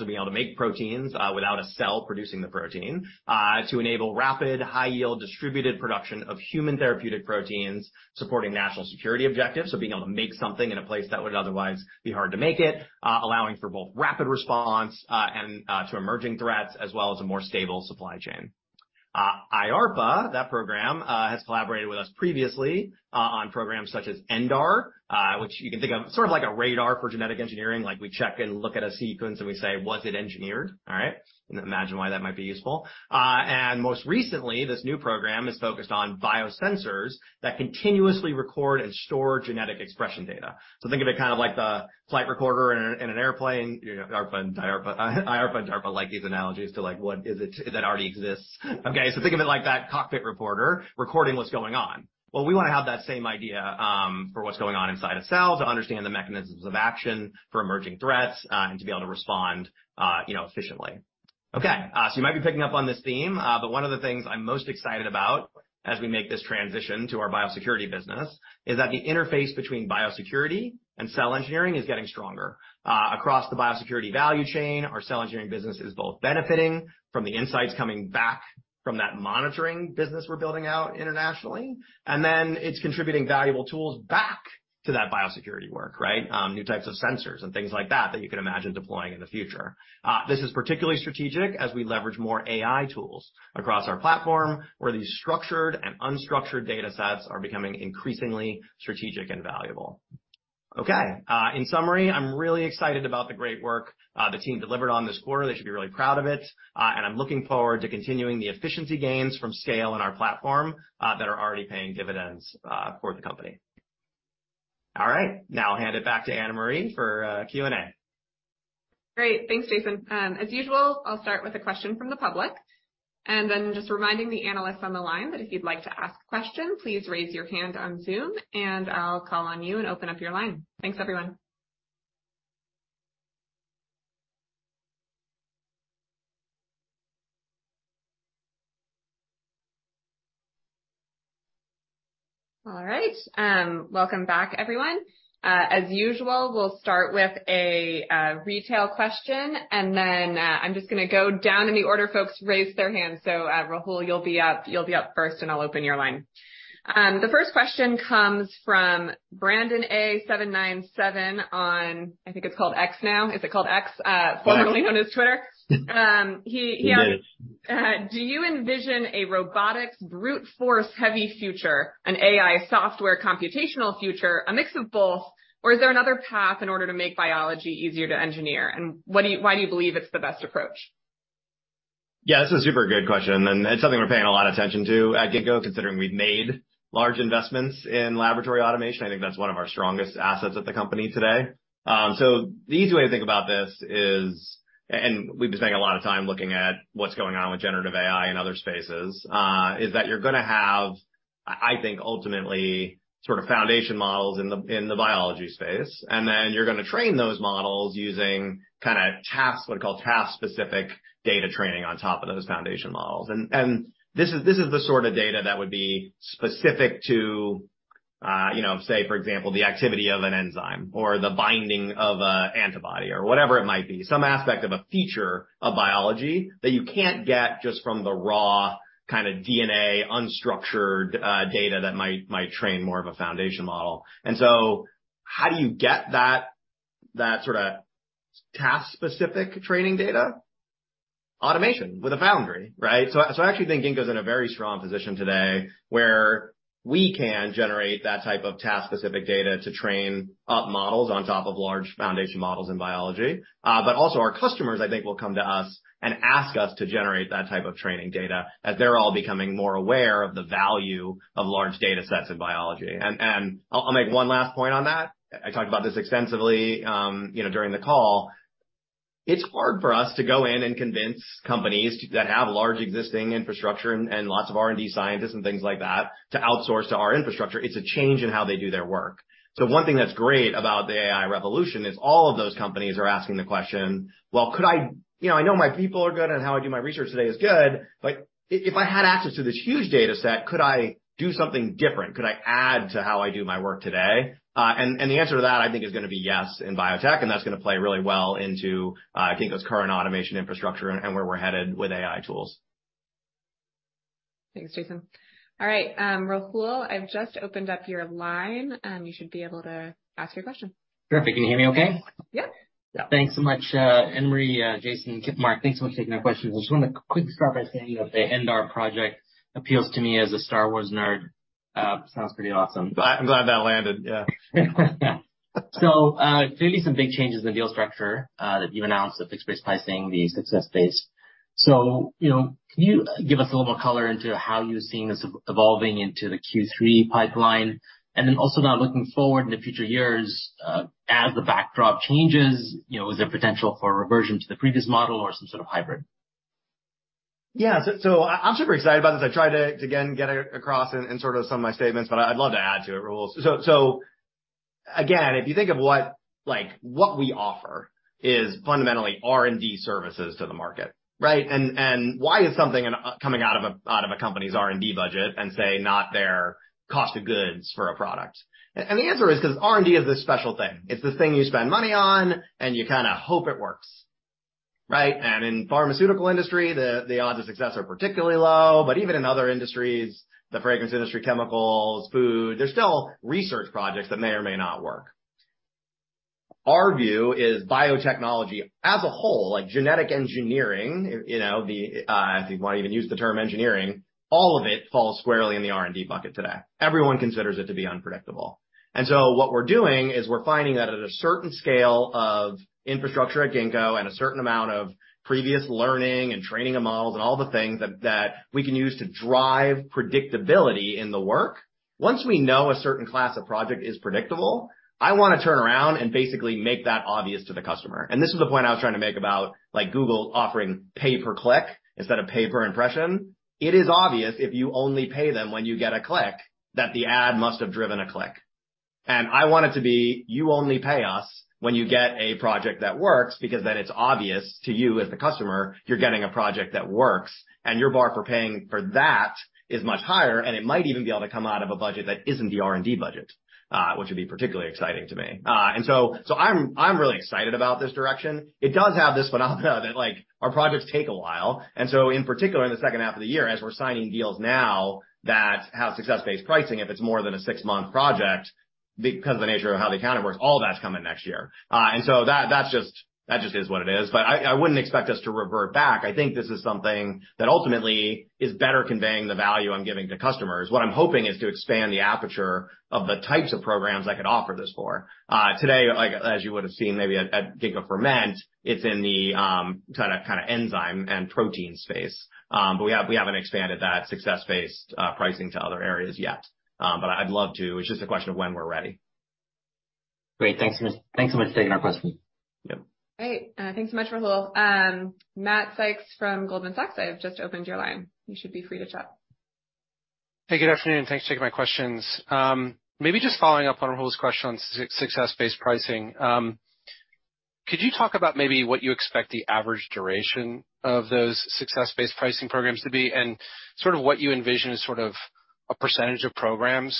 B: Being able to make proteins without a cell producing the protein to enable rapid, high-yield, distributed production of human therapeutic proteins supporting national security objectives. Being able to make something in a place that would otherwise be hard to make it, allowing for both rapid response and to emerging threats, as well as a more stable supply chain. IARPA, that program, has collaborated with us previously on programs such as ENDAR, which you can think of sort of like a radar for genetic engineering. Like, we check and look at a sequence, and we say, "Was it engineered?" All right? You can imagine why that might be useful. And most recently, this new program is focused on biosensors that continuously record and store genetic expression data. Think of it kind of like the flight recorder in an airplane. You know, DARPA and IARPA, IARPA and DARPA like these analogies to like, what is it that already exists? Think of it like that cockpit recorder recording what's going on. Well, we want to have that same idea for what's going on inside a cell to understand the mechanisms of action for emerging threats and to be able to respond, you know, efficiently. You might be picking up on this theme, but one of the things I'm most excited about as we make this transition to our biosecurity business, is that the interface between biosecurity and cell engineering is getting stronger. Across the biosecurity value chain, our cell engineering business is both benefiting from the insights coming back from that monitoring business we're building out internationally, and then it's contributing valuable tools back to that biosecurity work, right? New types of sensors and things like that, that you can imagine deploying in the future. This is particularly strategic as we leverage more AI tools across our platform, where these structured and unstructured data sets are becoming increasingly strategic and valuable. Okay, in summary, I'm really excited about the great work the team delivered on this quarter. They should be really proud of it, and I'm looking forward to continuing the efficiency gains from scale in our platform, that are already paying dividends for the company. All right, now I'll hand it back to Anna Marie for Q&A.
A: Great. Thanks, Jason. As usual, I'll start with a question from the public. Just reminding the analysts on the line that if you'd like to ask a question, please raise your hand on Zoom, and I'll call on you and open up your line. Thanks, everyone. All right. Welcome back, everyone. As usual, we'll start with a retail question. I'm just gonna go down in the order folks raised their hands. Rahul, you'll be up, you'll be up first, and I'll open your line. The first question comes from BrandonA797 on... I think it's called X now. Is it called X?
B: Yeah.
A: - formerly known as Twitter. he asked-
B: It is.
A: - "Do you envision a robotics, brute force, heavy future, an AI software computational future, a mix of both, or is there another path in order to make biology easier to engineer? Why do you believe it's the best approach?
B: Yeah, that's a super good question, and it's something we're paying a lot of attention to at Ginkgo, considering we've made large investments in laboratory automation. I think that's one of our strongest assets at the company today. So the easy way to think about this is, and, and we've been spending a lot of time looking at what's going on with generative AI in other spaces, is that you're gonna have, I, I think, ultimately sort of foundation models in the, in the biology space, and then you're gonna train those models using kinda tasks, what are called task-specific data training on top of those foundation models. And, and this is, this is the sort of data that would be specific to, you know, say, for example, the activity of an enzyme or the binding of a antibody or whatever it might be. Some aspect of a feature of biology that you can't get just from the raw, kind of DNA, unstructured data that might, might train more of a foundation model. How do you get that, that sorta task-specific training data? Automation with a foundry, right? I actually think Ginkgo is in a very strong position today, where we can generate that type of task-specific data to train up models on top of large foundation models in biology. Our customers, I think, will come to us and ask us to generate that type of training data as they're all becoming more aware of the value of large data sets in biology. I'll, I'll make one last point on that. I talked about this extensively, you know, during the call. It's hard for us to go in and convince companies to that have large existing infrastructure and lots of R&D scientists and things like that, to outsource to our infrastructure. It's a change in how they do their work. One thing that's great about the AI revolution is all of those companies are asking the question: Well, could I? You know, I know my people are good, and how I do my research today is good, but if I had access to this huge data set, could I do something different? Could I add to how I do my work today? The answer to that, I think, is gonna be yes in biotech, and that's gonna play really well into Ginkgo's current automation infrastructure and where we're headed with AI tools.
A: Thanks, Jason. All right, Rahul, I've just opened up your line. You should be able to ask your question.
D: Perfect. Can you hear me okay?
A: Yep.
D: Yeah. Thanks so much, Anna Marie, Jason, [Kip], Mark. Thanks so much for taking my questions. I just want to quickly start by saying that the ENDAR project appeals to me as a Star Wars nerd. Sounds pretty awesome.
B: I'm glad that landed, yeah.
D: Clearly some big changes in the deal structure, that you've announced, the fixed-price pricing, the success base. You know, can you give us a little more color into how you're seeing this evolving into the Q3 pipeline? Then also now looking forward in the future years, as the backdrop changes, you know, is there potential for a reversion to the previous model or some sort of hybrid?
B: Yeah, so, so I'm super excited about this. I tried to, to, again, get it across in, in sort of some of my statements, but I'd love to add to it, Rahul. Again, if you think of what -- like, what we offer is fundamentally R&D services to the market, right? Why is something coming out of a, out of a company's R&D budget and, say, not their cost of goods for a product? The answer is because R&D is this special thing. It's this thing you spend money on, and you kind of hope it works, right? In pharmaceutical industry, the, the odds of success are particularly low, but even in other industries, the fragrance industry, chemicals, food, there's still research projects that may or may not work. Our view is biotechnology as a whole, like genetic engineering, you know, the, if you want to even use the term engineering, all of it falls squarely in the R&D bucket today. Everyone considers it to be unpredictable. What we're doing is we're finding that at a certain scale of infrastructure at Ginkgo and a certain amount of previous learning and training of models and all the things that, that we can use to drive predictability in the work, once we know a certain class of project is predictable, I want to turn around and basically make that obvious to the customer. This is the point I was trying to make about, like, Google offering pay-per-click instead of pay-per-impression. It is obvious, if you only pay them when you get a click, that the ad must have driven a click. I want it to be, you only pay us when you get a project that works, because then it's obvious to you, as the customer, you're getting a project that works, and your bar for paying for that is much higher, and it might even be able to come out of a budget that isn't the R&D budget, which would be particularly exciting to me. I'm really excited about this direction. It does have this phenomena that, like, our projects take a while, and so in particular, in the second half of the year, as we're signing deals now, that have success-based pricing, if it's more than a six-month project, because of the nature of how the calendar works, all that's coming next year. That just is what it is. I, I wouldn't expect us to revert back. I think this is something that ultimately is better conveying the value I'm giving to customers. What I'm hoping is to expand the aperture of the types of programs I could offer this for. Today, like, as you would've seen, maybe at, at Ginkgo Ferment, it's in the, kind of, kind of enzyme and protein space. We have, we haven't expanded that success-based pricing to other areas yet. I'd love to. It's just a question of when we're ready.
D: Great. Thanks so much for taking our question.
B: Yep.
A: Great. Thanks so much, Rahul. Matt Sykes from Goldman Sachs, I have just opened your line. You should be free to chat.
E: Hey, good afternoon, and thanks for taking my questions. Maybe just following up on Rahul's question on success-based pricing. Could you talk about maybe what you expect the average duration of those success-based pricing programs to be, and sort of what you envision as sort of a percentage of programs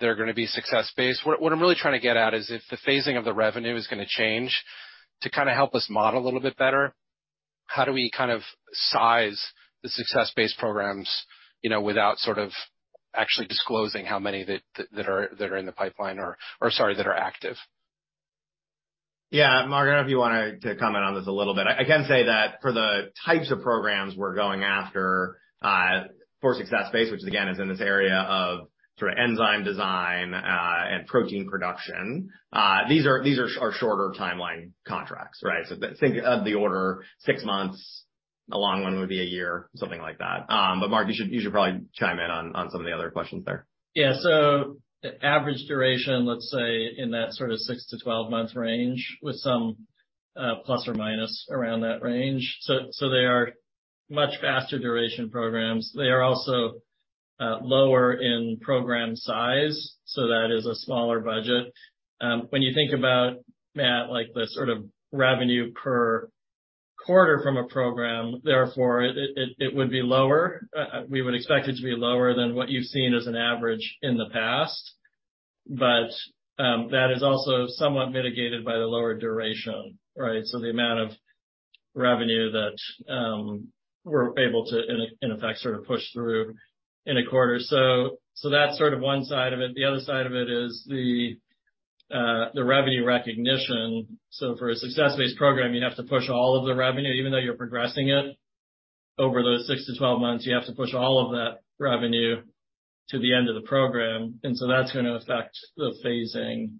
E: that are gonna be success-based? What, what I'm really trying to get at is if the phasing of the revenue is gonna change. To kind of help us model a little bit better, how do we kind of size the success-based programs, you know, without sort of actually disclosing how many that, that are, that are in the pipeline or, or, sorry, that are active?
B: Yeah, Mark, I don't know if you want to, to comment on this a little bit. I can say that for the types of programs we're going after, for success-based, which again, is in this area of sort of enzyme design, and protein production, these are, these are, are shorter timeline contracts, right? Think of the order six months. A long one would be one year, something like that. Mark, you should, you should probably chime in on, on some of the other questions there.
C: Yeah. Average duration, let's say, in that sort of six-to-12-month range, with some plus or minus around that range. They are much faster duration programs. They are also lower in program size, so that is a smaller budget. When you think about, Matt, like the sort of revenue per quarter from a program, therefore, it, it, it would be lower. We would expect it to be lower than what you've seen as an average in the past, but that is also somewhat mitigated by the lower duration, right? The amount of revenue that we're able to, in, in effect, sort of push through in a quarter. That's sort of one side of it. The other side of it is the revenue recognition. For a success-based program, you'd have to push all of the revenue, even though you're progressing it over those six-to-12 months, you have to push all of that revenue to the end of the program, and so that's gonna affect the phasing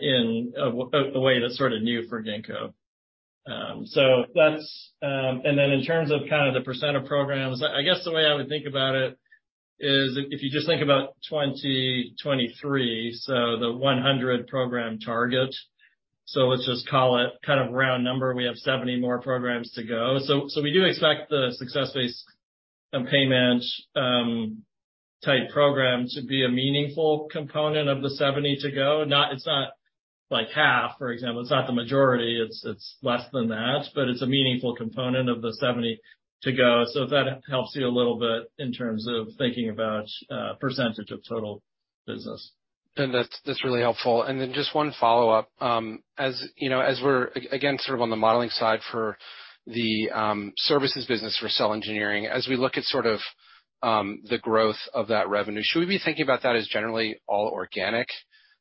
C: in a way that's sort of new for Ginkgo. So that's. Then in terms of kind of the percent of programs, I guess the way I would think about it is if you just think about 2023, the 100-program target, let's just call it kind of round number, we have 70 more programs to go. We do expect the success-based and payments type program to be a meaningful component of the 70 to go. Not. It's not like half, for example. It's not the majority. It's, it's less than that, but it's a meaningful component of the 70 to go. If that helps you a little bit in terms of thinking about, percent of total business.
E: That's, that's really helpful. Then just one follow-up. As you know, as we're again, sort of on the modeling side for the services business for cell engineering, as we look at sort of the growth of that revenue, should we be thinking about that as generally all organic?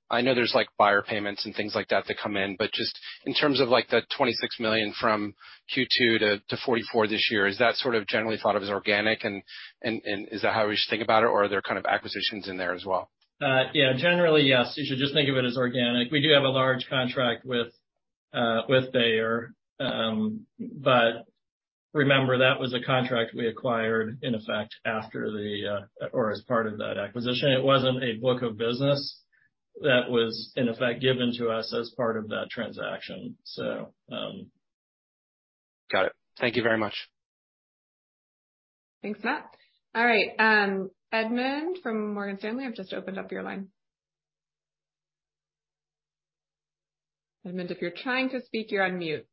E: I know there's, like, Bayer payments and things like that that come in, but just in terms of, like, the $26 million from Q2 to $44 million this year, is that sort of generally thought of as organic and, and, and is that how we should think about it, or are there kind of acquisitions in there as well?
C: Yeah, generally, yes, you should just think of it as organic. We do have a large contract with, with Bayer. Remember, that was a contract we acquired in effect after the, or as part of that acquisition. It wasn't a book of business. That was in effect given to us as part of that transaction.
E: Got it. Thank you very much.
A: Thanks, Matt. All right, Edmund from Morgan Stanley, I've just opened up your line. Edmund, if you're trying to speak, you're on mute.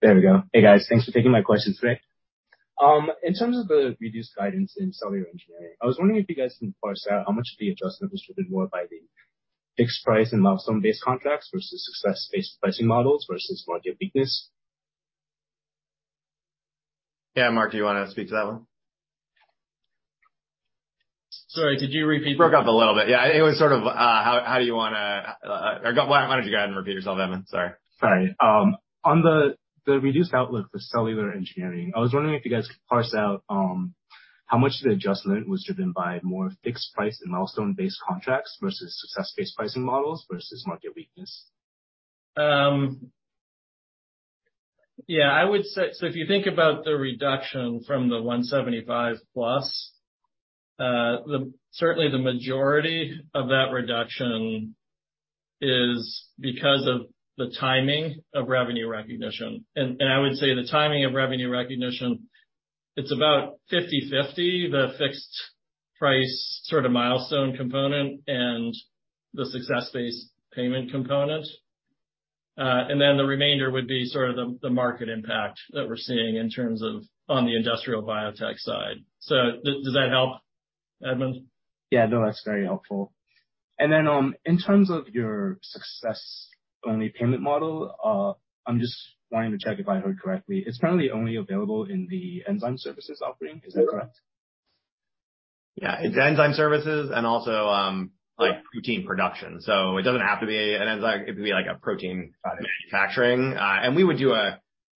F: There we go. Hey, guys, thanks for taking my questions today. In terms of the reduced guidance in cellular engineering, I was wondering if you guys can parse out how much of the adjustment was driven more by the fixed price and milestone-based contracts versus success-based pricing models versus market weakness?
B: Yeah, Mark, do you want to speak to that one?
C: Sorry, could you repeat that?
B: Broke up a little bit. Yeah, it was sort of, how do you want to? Why don't you go ahead and repeat yourself, Edmund? Sorry.
F: Sorry. On the, the reduced outlook for cellular engineering, I was wondering if you guys could parse out how much of the adjustment was driven by more fixed price and milestone-based contracts versus success-based pricing models versus market weakness?
C: yeah, I would say-- If you think about the reduction from the $175+, the, certainly the majority of that reduction is because of the timing of revenue recognition. I would say the timing of revenue recognition, it's about 50/50, the fixed price sort of milestone component and the success-based payment component. Then the remainder would be sort of the, the market impact that we're seeing in terms of on the industrial biotech side. Does that help, Edmund?
F: Yeah, no, that's very helpful. Then, in terms of your success-only payment model, I'm just wanting to check if I heard correctly. It's currently only available in the enzyme services offering. Is that correct?
B: Yeah, it's enzyme services and also, like, protein production, so it doesn't have to be an enzyme. It could be, like a protein manufacturing.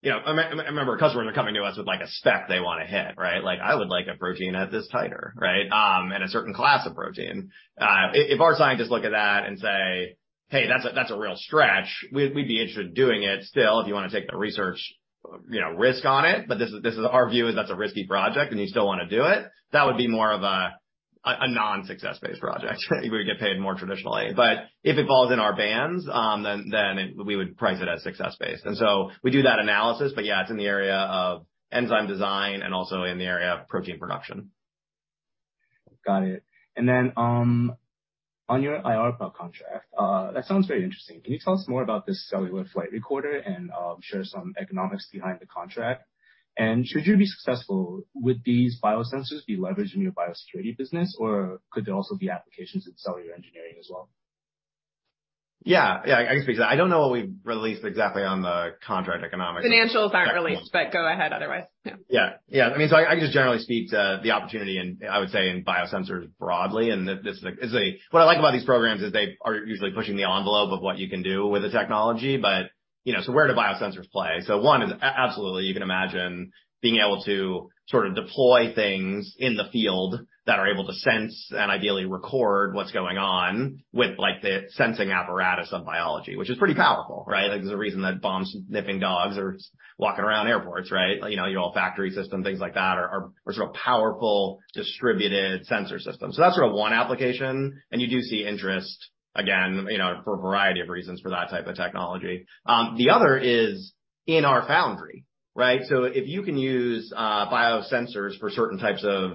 B: You know, remember, customers are coming to us with, like, a spec they want to hit, right? Like, I would like a protein at this titer, right? And a certain class of protein. If our scientists look at that and say, "Hey, that's a, that's a real stretch," we, we'd be interested in doing it still, if you want to take the research, you know, risk on it. But this is, this is our view is that's a risky project, and you still want to do it? That would be more of a, a, a non-success-based project. We would get paid more traditionally, but if it falls in our bands, then, then we would price it as success-based. We do that analysis, but yeah, it's in the area of enzyme design and also in the area of protein production.
F: Got it. Then, on your IARPA contract, that sounds very interesting. Can you tell us more about this cellular flight recorder and share some economics behind the contract? Should you be successful, would these biosensors be leveraged in your biosecurity business, or could there also be applications in cellular engineering as well?
B: Yeah. Yeah, I can speak to that. I don't know what we've released exactly on the contract economics.
A: Financials aren't released, but go ahead otherwise. Yeah.
B: Yeah. Yeah. I mean, I can just generally speak to the opportunity, and I would say in biosensors broadly, and this is. What I like about these programs is they are usually pushing the envelope of what you can do with the technology. You know, where do biosensors play? One is absolutely, you can imagine being able to sort of deploy things in the field that are able to sense and ideally record what's going on with, like, the sensing apparatus of biology, which is pretty powerful, right? There's a reason that bombs sniffing dogs are walking around airports, right? You know, your olfactory system, things like that, are, are sort of powerful, distributed sensor systems. That's sort of one application, and you do see interest again, you know, for a variety of reasons for that type of technology. The other is in our foundry, right? If you can use biosensors for certain types of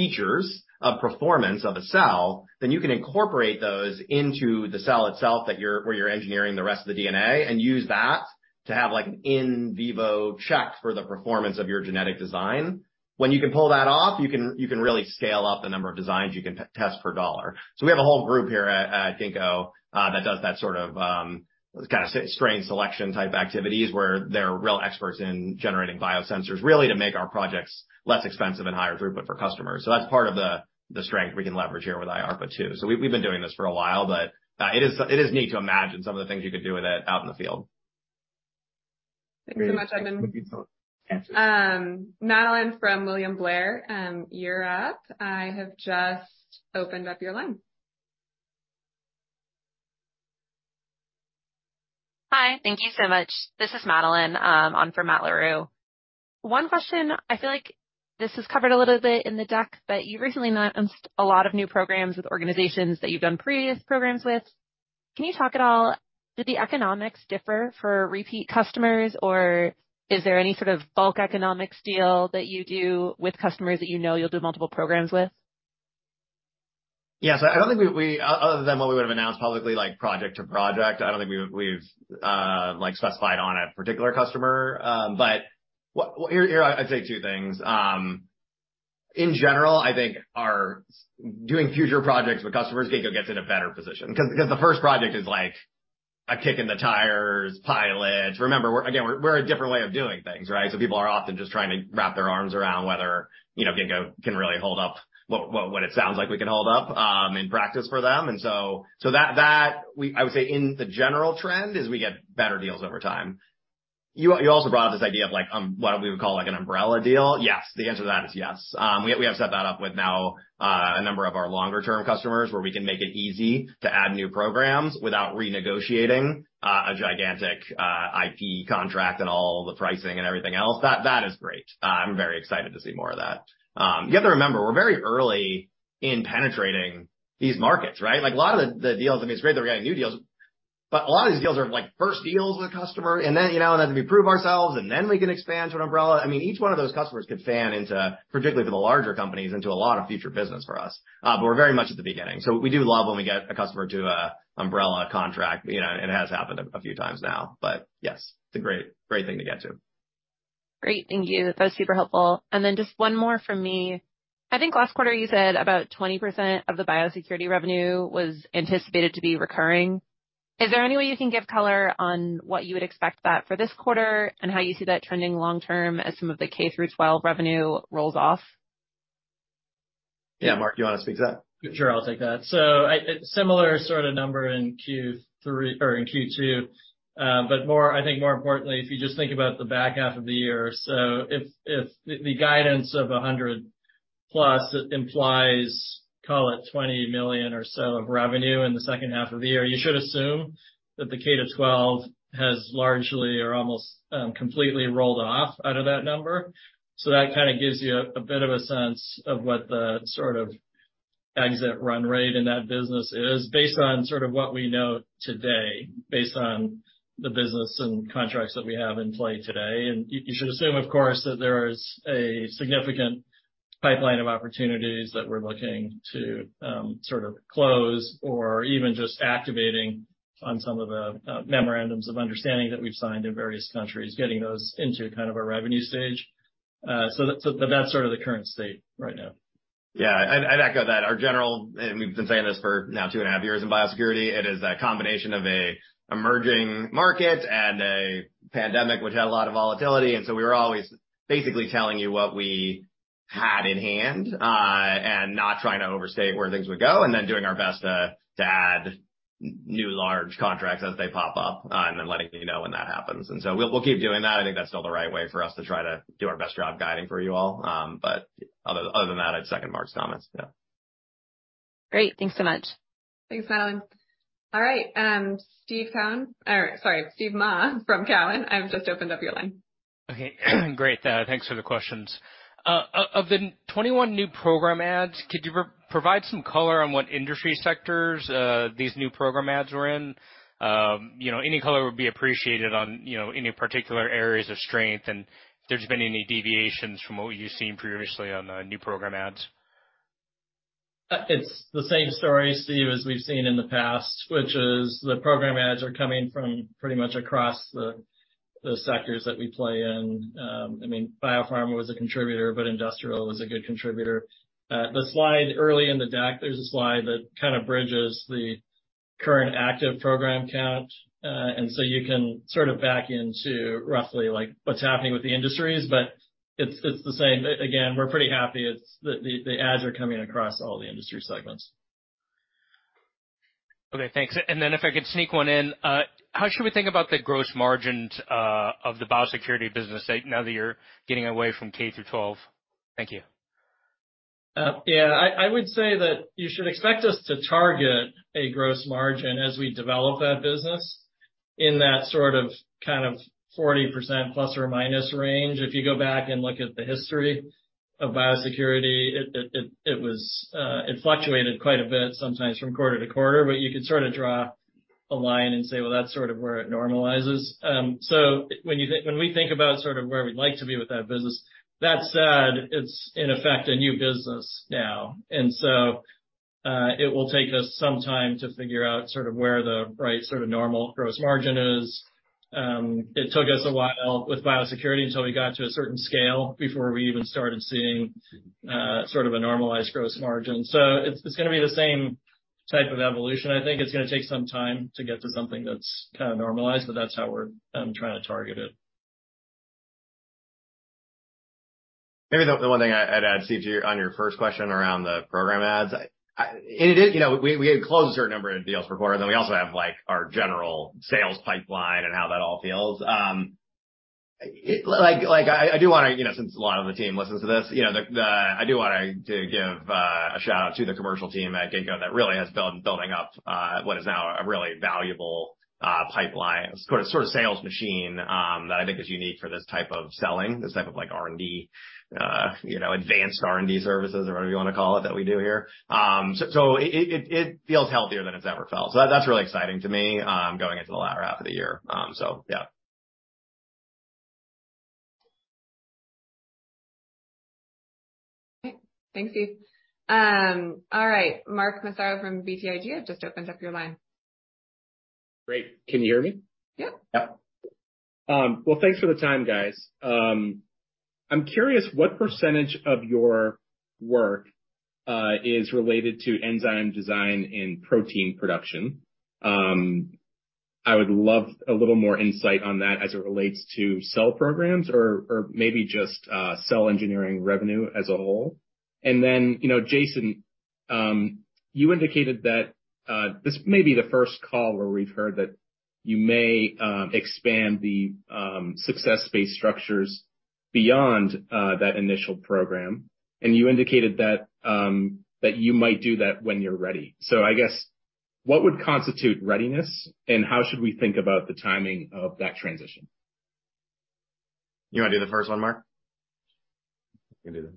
B: features of performance of a cell, then you can incorporate those into the cell itself, that you're where you're engineering the rest of the DNA, and use that to have, like, an in vivo check for the performance of your genetic design. When you can pull that off, you can, you can really scale up the number of designs you can test per dollar. We have a whole group here at Ginkgo that does that sort of kind of strain selection type activities, where they're real experts in generating biosensors, really to make our projects less expensive and higher throughput for customers. That's part of the strength we can leverage here with IARPA, too. We've, we've been doing this for a while, but it is, it is neat to imagine some of the things you could do with it out in the field.
A: Thank you so much, Edmund. Madeline from William Blair, you're up. I have just opened up your line.
G: Hi, thank you so much. This is Madeline, on for Matt Larew. One question, I feel like this is covered a little bit in the deck, but you recently announced a lot of new programs with organizations that you've done previous programs with. Can you talk at all, do the economics differ for repeat customers, or is there any sort of bulk economics deal that you do with customers that you know you'll do multiple programs with?
B: Yeah, I don't think we other than what we would have announced publicly, like project to project, I don't think we've, like, specified on a particular customer. Here, here I'd say two things. In general, I think our doing future projects with customers, Ginkgo gets in a better position because, because the first project is like a kick in the tires, pilot. Remember, again, we're a different way of doing things, right? People are often just trying to wrap their arms around whether, you know, Ginkgo can really hold up what, what, what it sounds like we can hold up in practice for them. That, that I would say in the general trend, is we get better deals over time. You, you also brought up this idea of, like, what we would call, like, an umbrella deal. Yes, the answer to that is yes. We, we have set that up with now, a number of our longer-term customers, where we can make it easy to add new programs without renegotiating, a gigantic, IP contract and all the pricing and everything else. That, that is great. I'm very excited to see more of that. You have to remember, we're very early in penetrating these markets, right? Like, a lot of the, the deals, I mean, it's great that we're getting new deals. A lot of these deals are, like, first deals with a customer, and then, you know, then we prove ourselves, and then we can expand to an umbrella. I mean, each one of those customers could fan into, particularly the larger companies, into a lot of future business for us. We're very much at the beginning. We do love when we get a customer to a umbrella contract. You know, it has happened a, a few times now, but yes, it's a great, great thing to get to.
G: Great, thank you. That was super helpful. Then just one more from me. I think last quarter you said about 20% of the biosecurity revenue was anticipated to be recurring. Is there any way you can give color on what you would expect that for this quarter, and how you see that trending long term as some of the K-12 revenue rolls off?
B: Yeah, Mark, you want to speak to that?
C: Sure, I'll take that. Similar sort of number in Q3 or in Q2, but more, I think more importantly, if you just think about the back half of the year, if the guidance of 100+ implies, call it $20 million or so of revenue in the second half of the year, you should assume that the K-12 has largely or almost completely rolled off out of that number. That kind of gives you a bit of a sense of what the sort of exit run rate in that business is, based on sort of what we know today, based on the business and contracts that we have in play today. Y- you should assume, of course, that there is a significant pipeline of opportunities that we're looking to, sort of close or even just activating on some of the Memorandums of Understanding that we've signed in various countries, getting those into kind of a revenue stage. That's sort of the current state right now.
B: Yeah, I'd, I'd echo that. Our general, and we've been saying this for now 2.5 years in biosecurity, it is a combination of a emerging market and a pandemic, which had a lot of volatility, and so we were always basically telling you what we had in hand, and not trying to overstate where things would go, and then doing our best to, to add new, large contracts as they pop up, and then letting you know when that happens. So we'll, we'll keep doing that. I think that's still the right way for us to try to do our best job guiding for you all. Other, other than that, I'd second Mark's comments. Yeah.
G: Great. Thanks so much.
A: Thanks, Madeline. All right, Steve, or sorry, Steve Mah, from Cowen, I've just opened up your line.
H: Okay. Great, thanks for the questions. Of the 21 new program adds, could you provide some color on what industry sectors these new program adds were in? You know, any color would be appreciated on, you know, any particular areas of strength and if there's been any deviations from what you've seen previously on the new program adds.
C: It's the same story, Steve Mah, as we've seen in the past, which is the program adds are coming from pretty much across the, the sectors that we play in. I mean, biopharma was a contributor, but industrial was a good contributor. The slide early in the deck, there's a slide that kind of bridges the current active program count. So you can sort of back into roughly, like, what's happening with the industries, but it's, it's the same. Again, we're pretty happy it's. The adds are coming across all the industry segments.
H: Okay, thanks. Then if I could sneak 1 in, how should we think about the gross margins of the biosecurity business, like, now that you're getting away from K-12? Thank you.
C: Yeah, I would say that you should expect us to target a gross margin as we develop that business in that sort of kind of 40% ± range. If you go back and look at the history of biosecurity, it was, it fluctuated quite a bit, sometimes from quarter to quarter, but you could sort of draw a line and say, "Well, that's sort of where it normalizes." So when we think about sort of where we'd like to be with that business, that said, it's in effect, a new business now. So, it will take us some time to figure out sort of where the right sort of normal gross margin is. It took us a while with biosecurity until we got to a certain scale before we even started seeing, sort of a normalized gross margin. It's it's gonna be the same type of evolution. I think it's gonna take some time to get to something that's kind of normalized, but that's how we're trying to target it.
B: Maybe the, the one thing I'd, I'd add, Steve, to your on your first question around the program adds. It is. You know, we, we had closed a certain number of deals before, and then we also have, like, our general sales pipeline and how that all feels. It, like, like, I, I do wanna, you know, since a lot of the team listens to this, you know, the, the, I do wanna to give a shout-out to the commercial team at Ginkgo that really has building up what is now a really valuable pipeline, sort of, sort of sales machine that I think is unique for this type of selling, this type of, like, R&D, you know, advanced R&D services or whatever you want to call it, that we do here. it, it, it feels healthier than it's ever felt. That's really exciting to me, going into the latter half of the year. Yeah.
A: Okay. Thanks, Steve. All right, Mark Massaro from BTIG. I just opened up your line.
I: Great. Can you hear me?
A: Yeah.
B: Yeah.
I: Well, thanks for the time, guys. I'm curious, what % of your work is related to enzyme design and protein production? I would love a little more insight on that as it relates to cell programs or, or maybe just cell engineering revenue as a whole. You know, Jason, you indicated that this may be the first call where we've heard that you may expand the success-based structures beyond that initial program, and you indicated that you might do that when you're ready. I guess, what would constitute readiness, and how should we think about the timing of that transition?...
B: You want to do the first one, Mark? You can do that.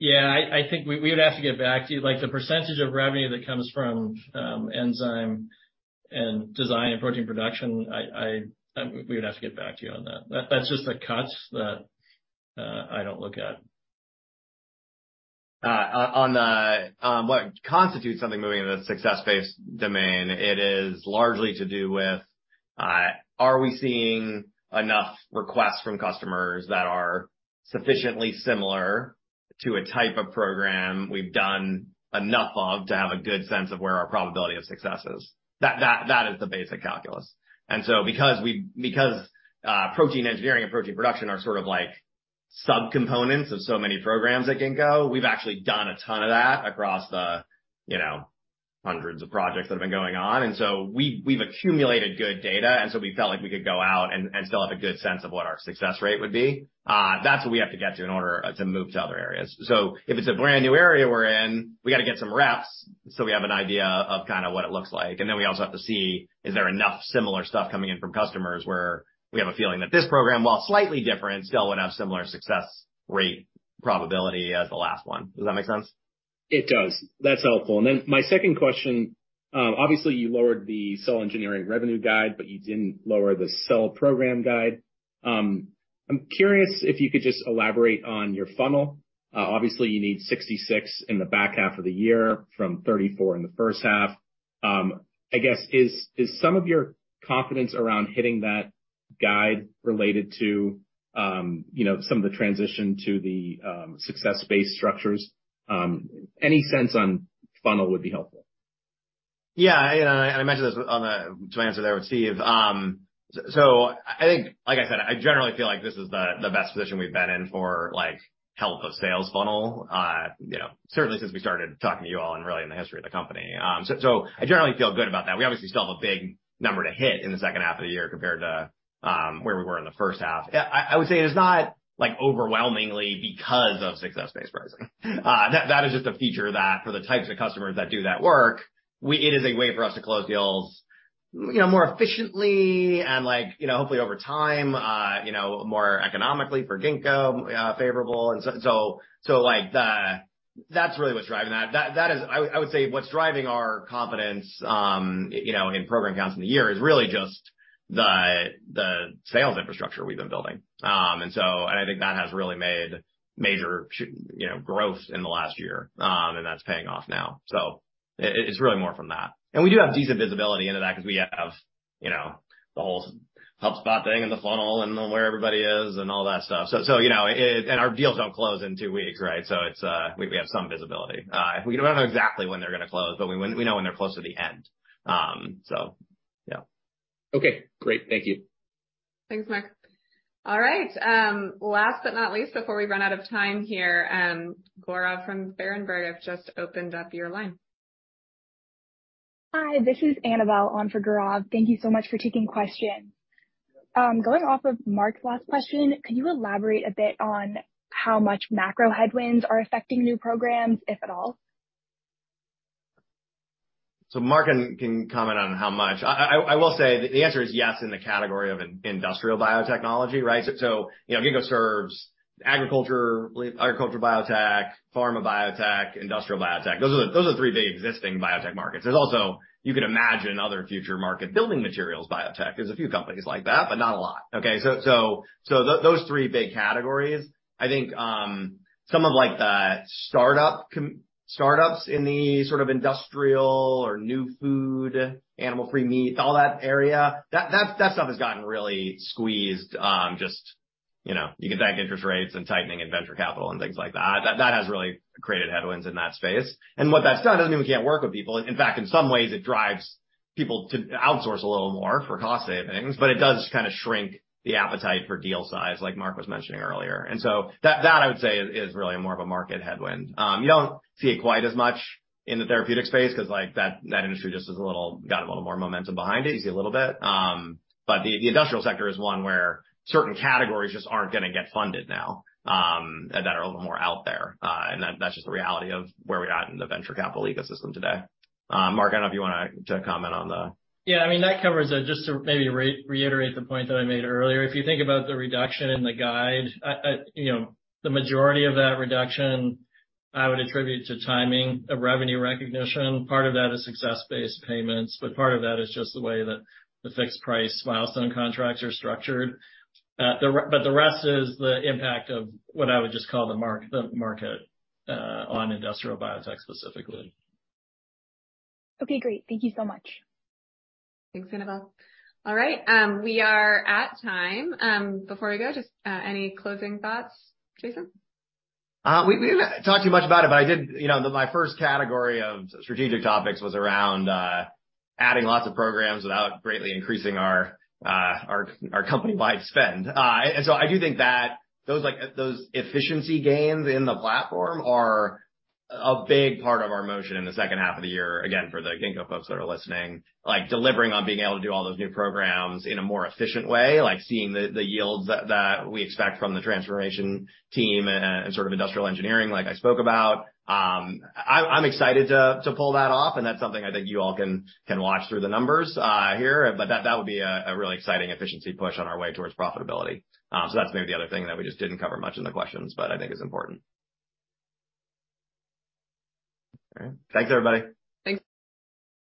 C: Yeah, I think we would have to get back to you. Like, the percentage of revenue that comes from enzyme and design and protein production, we would have to get back to you on that. That's just the cuts that I don't look at.
B: On the, what constitutes something moving into the success-based domain, it is largely to do with, are we seeing enough requests from customers that are sufficiently similar to a type of program we've done enough of to have a good sense of where our probability of success is? That, that, that is the basic calculus. Because we-- because protein engineering and protein production are sort of like subcomponents of so many programs at Ginkgo, we've actually done a ton of that across the, you know, hundreds of projects that have been going on, and so we, we've accumulated good data, and so we felt like we could go out and, and still have a good sense of what our success rate would be. That's what we have to get to in order to move to other areas. If it's a brand-new area we're in, we got to get some reps, so we have an idea of kind of what it looks like. Then we also have to see, is there enough similar stuff coming in from customers, where we have a feeling that this program, while slightly different, still would have similar success rate probability as the last one. Does that make sense?
C: It does. That's helpful. Then my second question, obviously you lowered the cell engineering revenue guide, but you didn't lower the cell program guide. I'm curious if you could just elaborate on your funnel. Obviously, you need 66 in the back half of the year from 34 in the first half. I guess, is some of your confidence around hitting that guide related to, you know, some of the transition to the success-based structures? Any sense on funnel would be helpful.
B: Yeah, I mentioned this on the-- to answer there with Steve. I think, like I said, I generally feel like this is the, the best position we've been in for, like, health of sales funnel, you know, certainly since we started talking to you all and really in the history of the company. I generally feel good about that. We obviously still have a big number to hit in the second half of the year compared to where we were in the first half. I, I would say it is not, like, overwhelmingly because of success-based pricing. That, that is just a feature that for the types of customers that do that work, it is a way for us to close deals, you know, more efficiently and like, you know, hopefully over time, you know, more economically for Ginkgo, favorable. That's really what's driving that. That, that is I, I would say what's driving our confidence, you know, in program counts in the year is really just the, the sales infrastructure we've been building. I think that has really made major, you know, growth in the last year, and that's paying off now. It's really more from that. We do have decent visibility into that because we have, you know, the whole HubSpot thing in the funnel and where everybody is and all that stuff. Our deals don't close in two weeks, right? It's, we have some visibility. We don't know exactly when they're going to close, but we know when they're close to the end. Yeah.
C: Okay, great. Thank you.
A: Thanks, Mark. All right, last but not least, before we run out of time here, Gaurav from Berenberg, I've just opened up your line.
J: Hi, this is [Annabelle] on for Gaurav. Thank you so much for taking questions. Going off of Mark's last question, could you elaborate a bit on how much macro headwinds are affecting new programs, if at all?
B: Mark can, can comment on how much. I, I, I will say the answer is yes, in the category of in-industrial biotechnology, right? You know, Ginkgo serves agriculture, agricultural biotech, pharma biotech, industrial biotech. Those are the, those are the three big existing biotech markets. There's also, you could imagine other future market, building materials biotech. There's a few companies like that, but not a lot. Those three big categories, I think, some of, like the startup startups in the sort of industrial or new food, animal-free meat, all that area, that, that, that stuff has gotten really squeezed, just, you know, you can thank interest rates and tightening and venture capital and things like that. That, that has really created headwinds in that space. What that's done, doesn't mean we can't work with people. In fact, in some ways it drives people to outsource a little more for cost savings, but it does kind of shrink the appetite for deal size, like Mark was mentioning earlier. So that, that, I would say, is, is really more of a market headwind. You don't see it quite as much in the therapeutic space because, like, that, that industry just is a little got a little more momentum behind it. You see a little bit, but the, the industrial sector is one where certain categories just aren't going to get funded now, that are a little more out there. That, that's just the reality of where we're at in the venture capital ecosystem today. Mark, I don't know if you want to, to comment on the-
C: Yeah, I mean, that covers it. Just to maybe re-reiterate the point that I made earlier. If you think about the reduction in the guide, I, you know, the majority of that reduction I would attribute to timing of revenue recognition. Part of that is success-based payments, but part of that is just the way that the fixed price milestone contracts are structured. The rest is the impact of what I would just call the market on industrial biotech specifically.
J: Okay, great. Thank you so much.
A: Thanks, Annabelle. All right, we are at time. Before we go, just any closing thoughts, Jason?
B: We, we didn't talk too much about it, but I did-- You know, my first category of strategic topics was around adding lots of programs without greatly increasing our, our, our company-wide spend. I do think that those, like, those efficiency gains in the platform are a big part of our motion in the second half of the year. Again, for the Ginkgo folks that are listening, like delivering on being able to do all those new programs in a more efficient way, like seeing the, the yields that, that we expect from the transformation team and sort of industrial engineering, like I spoke about. I'm excited to, to pull that off, and that's something I think you all can, can watch through the numbers here, but that, that would be a, a really exciting efficiency push on our way towards profitability. That's maybe the other thing that we just didn't cover much in the questions, but I think is important. All right. Thanks, everybody.
A: Thanks.